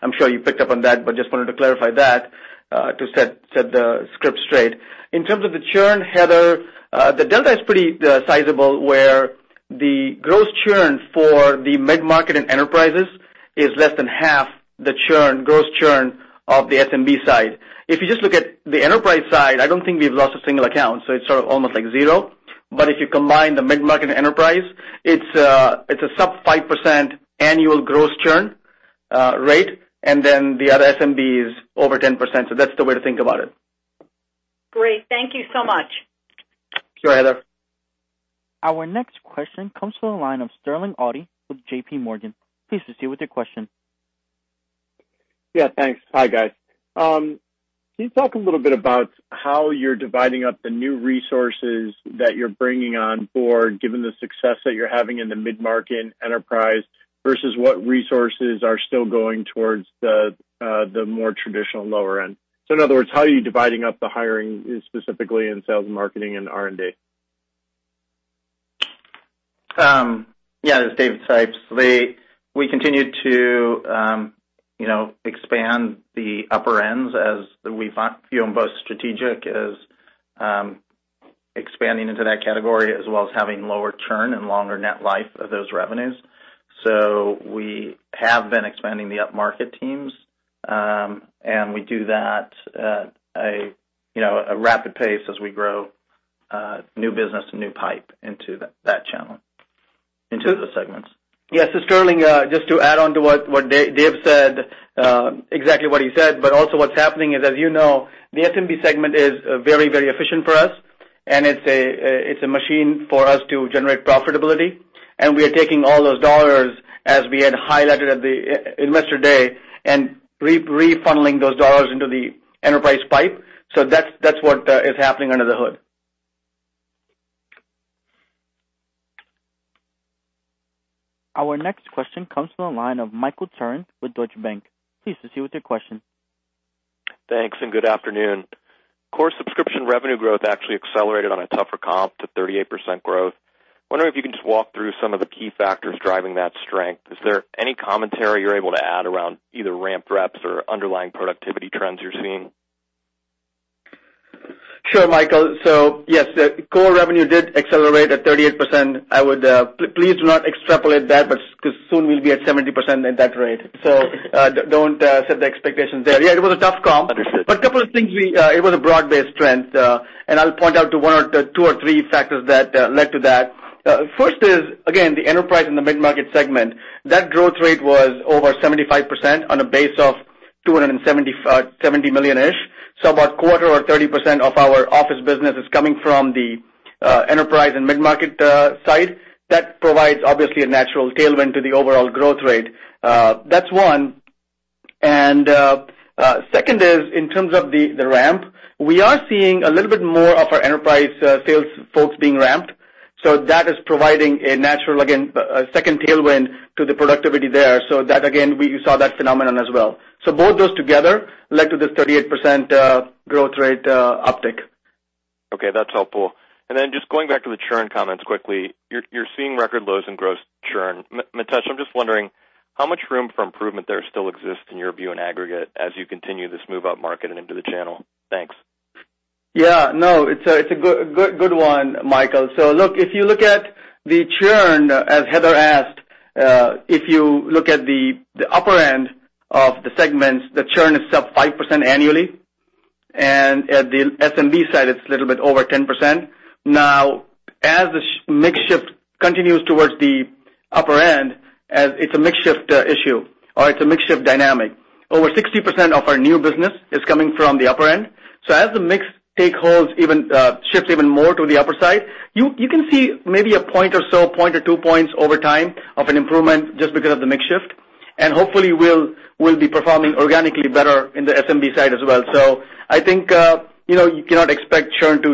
I'm sure you picked up on that, but just wanted to clarify that to set the script straight. In terms of the churn, Heather, the delta is pretty sizable, where the gross churn for the mid-market and enterprises is less than half the gross churn of the SMB side. If you just look at the enterprise side, I don't think we've lost a single account, so it's sort of almost like zero. If you combine the mid-market and enterprise, it's a sub 5% annual gross churn rate, and then the other SMB is over 10%. That's the way to think about it. Great. Thank you so much. Sure, Heather. Our next question comes from the line of Sterling Auty with J.P. Morgan. Please proceed with your question. Yeah, thanks. Hi, guys. Can you talk a little bit about how you're dividing up the new resources that you're bringing on board, given the success that you're having in the mid-market and enterprise, versus what resources are still going towards the more traditional lower end? In other words, how are you dividing up the hiring, specifically in sales and marketing and R&D? Yeah. This is David Sipes. We continue to expand the upper ends as we view them both strategic as expanding into that category, as well as having lower churn and longer net life of those revenues. We have been expanding the upmarket teams, and we do that at a rapid pace as we grow new business and new pipe into that channel, into the segments. Yeah. Sterling, just to add on to what Dave said, exactly what he said, but also what's happening is, as you know, the SMB segment is very efficient for us, and it's a machine for us to generate profitability. We are taking all those dollars, as we had highlighted at the Investor Day, and refunneling those dollars into the enterprise pipe. That's what is happening under the hood. Our next question comes from the line of Michael Turrin with Deutsche Bank. Please proceed with your question. Thanks. Good afternoon. Core subscription revenue growth actually accelerated on a tougher comp to 38% growth. Wondering if you can just walk through some of the key factors driving that strength. Is there any commentary you're able to add around either ramped reps or underlying productivity trends you're seeing? Sure, Michael. Yes, core revenue did accelerate at 38%. Please do not extrapolate that, because soon we'll be at 70% at that rate. Don't set the expectations there. Yeah, it was a tough comp. Understood. Couple of things. It was a broad-based trend. I'll point out to one or two or three factors that led to that. First is, again, the enterprise and the mid-market segment. That growth rate was over 75% on a base of $270 million-ish. About a quarter or 30% of our Office business is coming from the enterprise and mid-market side. That provides, obviously, a natural tailwind to the overall growth rate. That's one. Second is, in terms of the ramp, we are seeing a little bit more of our enterprise sales folks being ramped. That is providing a natural, again, second tailwind to the productivity there. That, again, we saw that phenomenon as well. Both those together led to this 38% growth rate uptick. Okay, that's helpful. Then just going back to the churn comments quickly. You're seeing record lows in gross churn. Mitesh, I'm just wondering how much room for improvement there still exists in your view in aggregate as you continue this move upmarket and into the channel? Thanks. Yeah. No, it's a good one, Michael. If you look at the churn, as Heather asked, if you look at the upper end of the segments, the churn is sub 5% annually, and at the SMB side, it's a little bit over 10%. As the mix shift continues towards the upper end, it's a mix shift issue, or it's a mix shift dynamic. Over 60% of our new business is coming from the upper end. As the mix take holds shifts even more to the upper side, you can see maybe a point or so, point or two points over time of an improvement just because of the mix shift. Hopefully, we'll be performing organically better in the SMB side as well. I think you cannot expect churn to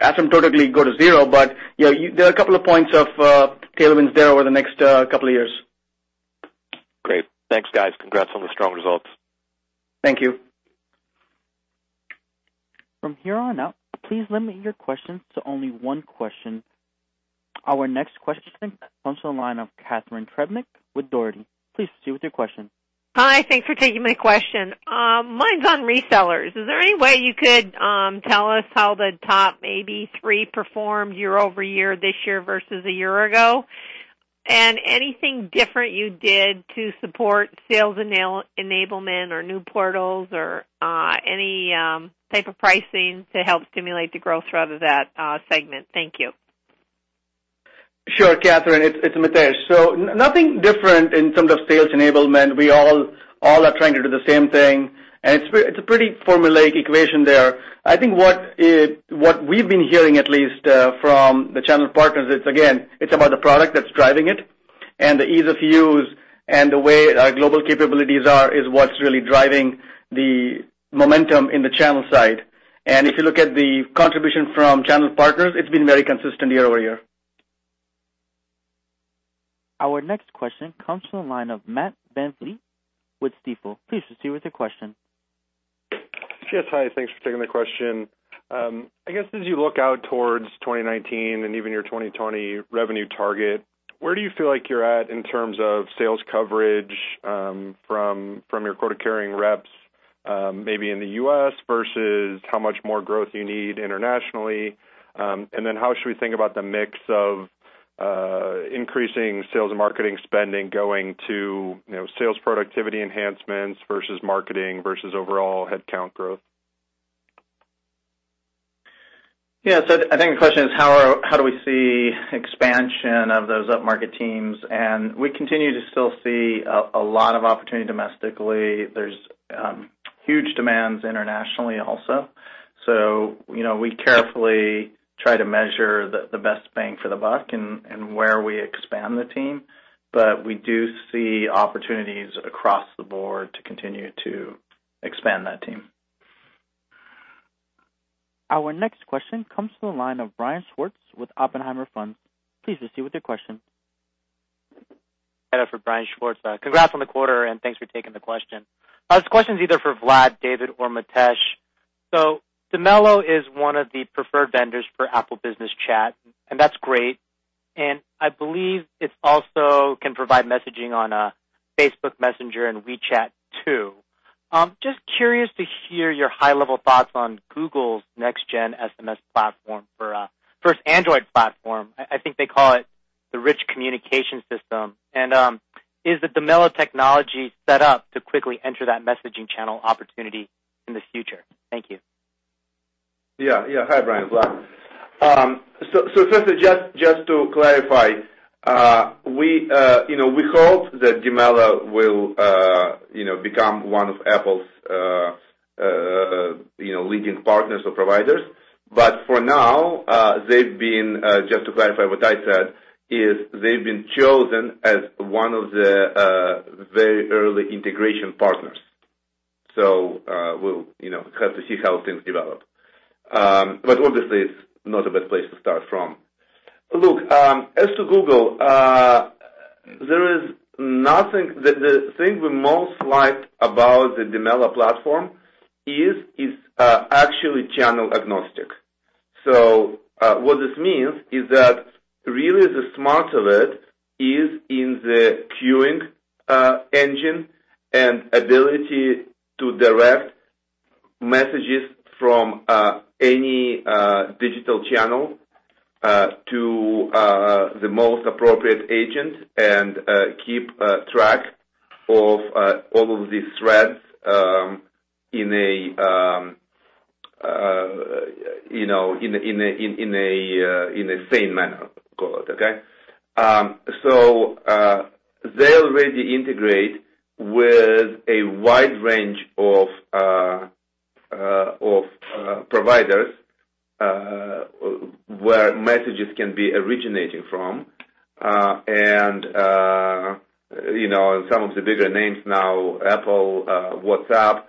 asymptotically go to zero, there are a couple of points of tailwinds there over the next couple of years. Great. Thanks, guys. Congrats on the strong results. Thank you. From here on out, please limit your questions to only one question. Our next question comes from the line of Catharine Trebnick with Dougherty. Please proceed with your question. Hi. Thanks for taking my question. Mine's on resellers. Is there any way you could tell us how the top maybe three performed year-over-year this year versus a year ago? Anything different you did to support sales enablement or new portals or any type of pricing to help stimulate the growth out of that segment? Thank you. Sure, Catharine, it's Mitesh. Nothing different in terms of sales enablement. We all are trying to do the same thing, it's a pretty formulaic equation there. I think what we've been hearing, at least from the channel partners, it's again, it's about the product that's driving it, the ease of use, the way our global capabilities are is what's really driving the momentum in the channel side. If you look at the contribution from channel partners, it's been very consistent year-over-year. Our next question comes from the line of Matt Van Vliet with Stifel. Please proceed with your question. Yes. Hi. Thanks for taking the question. I guess as you look out towards 2019 and even your 2020 revenue target, where do you feel like you're at in terms of sales coverage from your quota-carrying reps maybe in the U.S. versus how much more growth you need internationally? How should we think about the mix of increasing sales and marketing spending going to sales productivity enhancements versus marketing versus overall headcount growth? Yes. I think the question is how do we see expansion of those upmarket teams, and we continue to still see a lot of opportunity domestically. There's huge demands internationally also. We carefully try to measure the best bang for the buck and where we expand the team. We do see opportunities across the board to continue to expand that team. Our next question comes from the line of Brian Schwartz with Oppenheimer & Co. Inc. Please proceed with your question. For Brian Schwartz. Congrats on the quarter, and thanks for taking the question. This question is either for Vlad, David, or Mitesh. Dimelo is one of the preferred vendors for Apple Business Chat, and that's great. I believe it also can provide messaging on Facebook Messenger and WeChat too. Just curious to hear your high-level thoughts on Google's next-gen SMS platform for first Android platform. I think they call it the Rich Communication Services. Is the Dimelo technology set up to quickly enter that messaging channel opportunity in the future? Thank you. Yeah. Hi, Brian. Vlad. Firstly, just to clarify, we hope that Dimelo will become one of Apple's leading partners or providers. For now, they've been chosen as one of the very early integration partners. We'll have to see how things develop. Obviously it's not a bad place to start from. Look, as to Google, the thing we most liked about the Dimelo platform is actually channel agnostic. What this means is that really the smart of it is in the queuing engine, and ability to direct messages from any digital channel to the most appropriate agent, and keep track of all of these threads in the same manner. Call it okay. They already integrate with a wide range of providers where messages can be originating from. Some of the bigger names now, Apple, WhatsApp.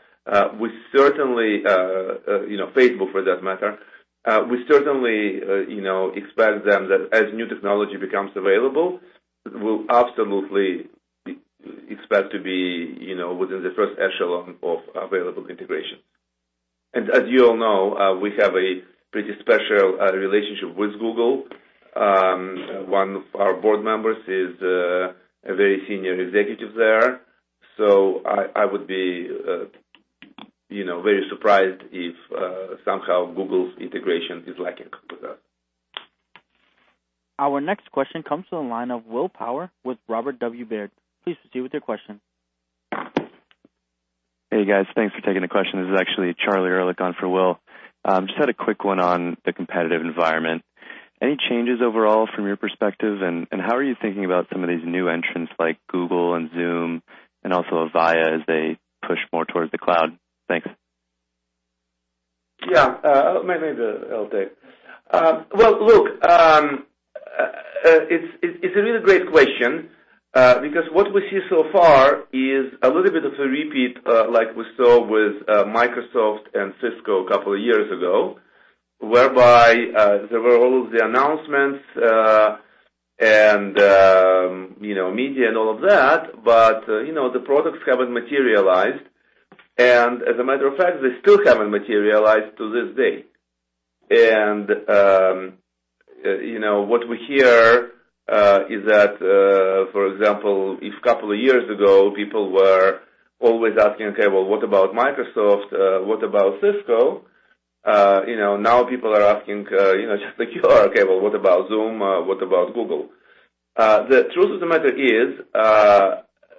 Facebook for that matter. We certainly expect them that as new technology becomes available, we'll absolutely expect to be within the first echelon of available integration. As you all know, we have a pretty special relationship with Google. One of our board members is a very senior executive there, so I would be very surprised if somehow Google's integration is lacking with us. Our next question comes from the line of William Power with Robert W. Baird. Please proceed with your question. Hey, guys. Thanks for taking the question. This is actually Charlie Erlikh on for Will. Just had a quick one on the competitive environment. Any changes overall from your perspective, and how are you thinking about some of these new entrants like Google and Zoom and also Avaya as they push more towards the cloud? Thanks. Yeah. Maybe I'll take. Well, look It's a really great question, because what we see so far is a little bit of a repeat like we saw with Microsoft and Cisco a couple of years ago, whereby there were all of the announcements, and media and all of that, but the products haven't materialized, and as a matter of fact, they still haven't materialized to this day. What we hear is that, for example, if couple of years ago, people were always asking, "Okay, well, what about Microsoft? What about Cisco?" Now people are asking, just like you are, "Okay, well, what about Zoom? What about Google?" The truth of the matter is,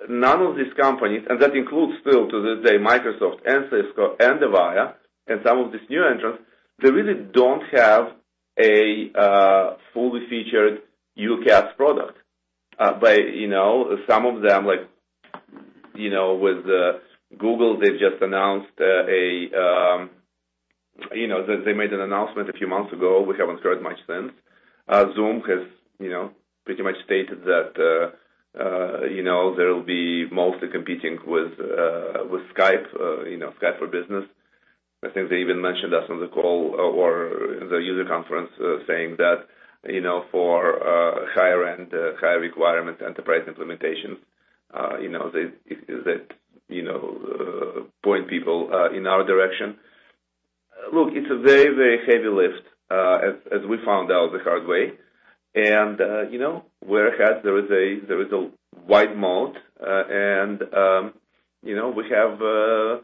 none of these companies, and that includes still to this day, Microsoft and Cisco and Avaya, and some of these new entrants, they really don't have a fully featured UCaaS product. Some of them, like with Google, they made an announcement a few months ago. We haven't heard much since. Zoom has pretty much stated that they'll be mostly competing with Skype for Business. I think they even mentioned us on the call or the user conference, saying that for higher-end, higher requirement enterprise implementations that point people in our direction. Look, it's a very heavy lift, as we found out the hard way. Whereas there is a wide moat, and we have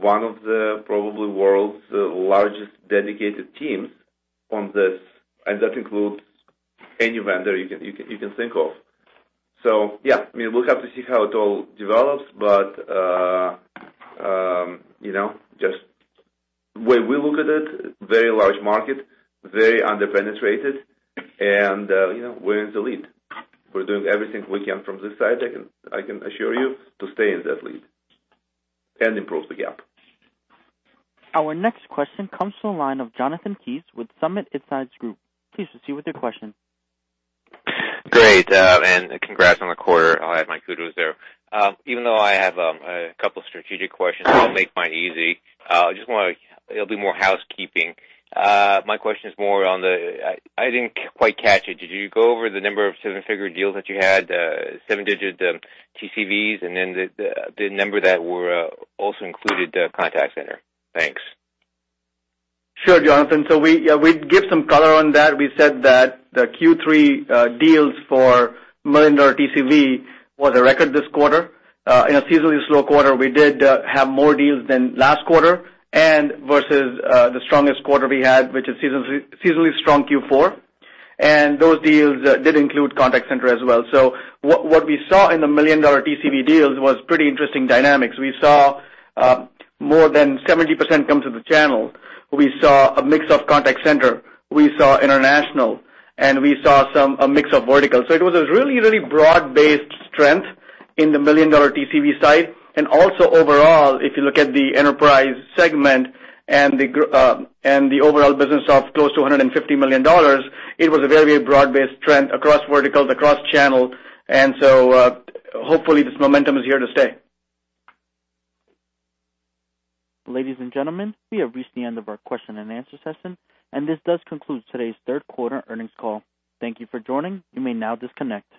one of the probably world's largest dedicated teams on this, and that includes any vendor you can think of. Yeah, we'll have to see how it all develops, but just way we look at it, very large market, very under-penetrated, and we're in the lead. We're doing everything we can from this side, I can assure you, to stay in that lead and improve the gap. Our next question comes from the line of Jonathan Kees with Summit Insights Group. Please proceed with your question. Great. Congrats on the quarter. I'll add my kudos there. Even though I have a couple strategic questions, I'll make mine easy. It'll be more housekeeping. My question is more. I didn't quite catch it. Did you go over the number of seven-figure deals that you had, seven-digit TCVs, and then the number that were also included Contact Center? Thanks. Sure, Jonathan. We gave some color on that. We said that the Q3 deals for million-dollar TCV was a record this quarter. In a seasonally slow quarter, we did have more deals than last quarter and versus the strongest quarter we had, which is seasonally strong Q4, and those deals did include Contact Center as well. What we saw in the million-dollar TCV deals was pretty interesting dynamics. We saw more than 70% come through the channel. We saw a mix of Contact Center. We saw international, and we saw a mix of verticals. It was a really broad-based strength in the million-dollar TCV side. Also overall, if you look at the enterprise segment and the overall business of close to $150 million, it was a very broad-based trend across verticals, across channel, hopefully this momentum is here to stay. Ladies and gentlemen, we have reached the end of our question and answer session, and this does conclude today's third quarter earnings call. Thank you for joining. You may now disconnect.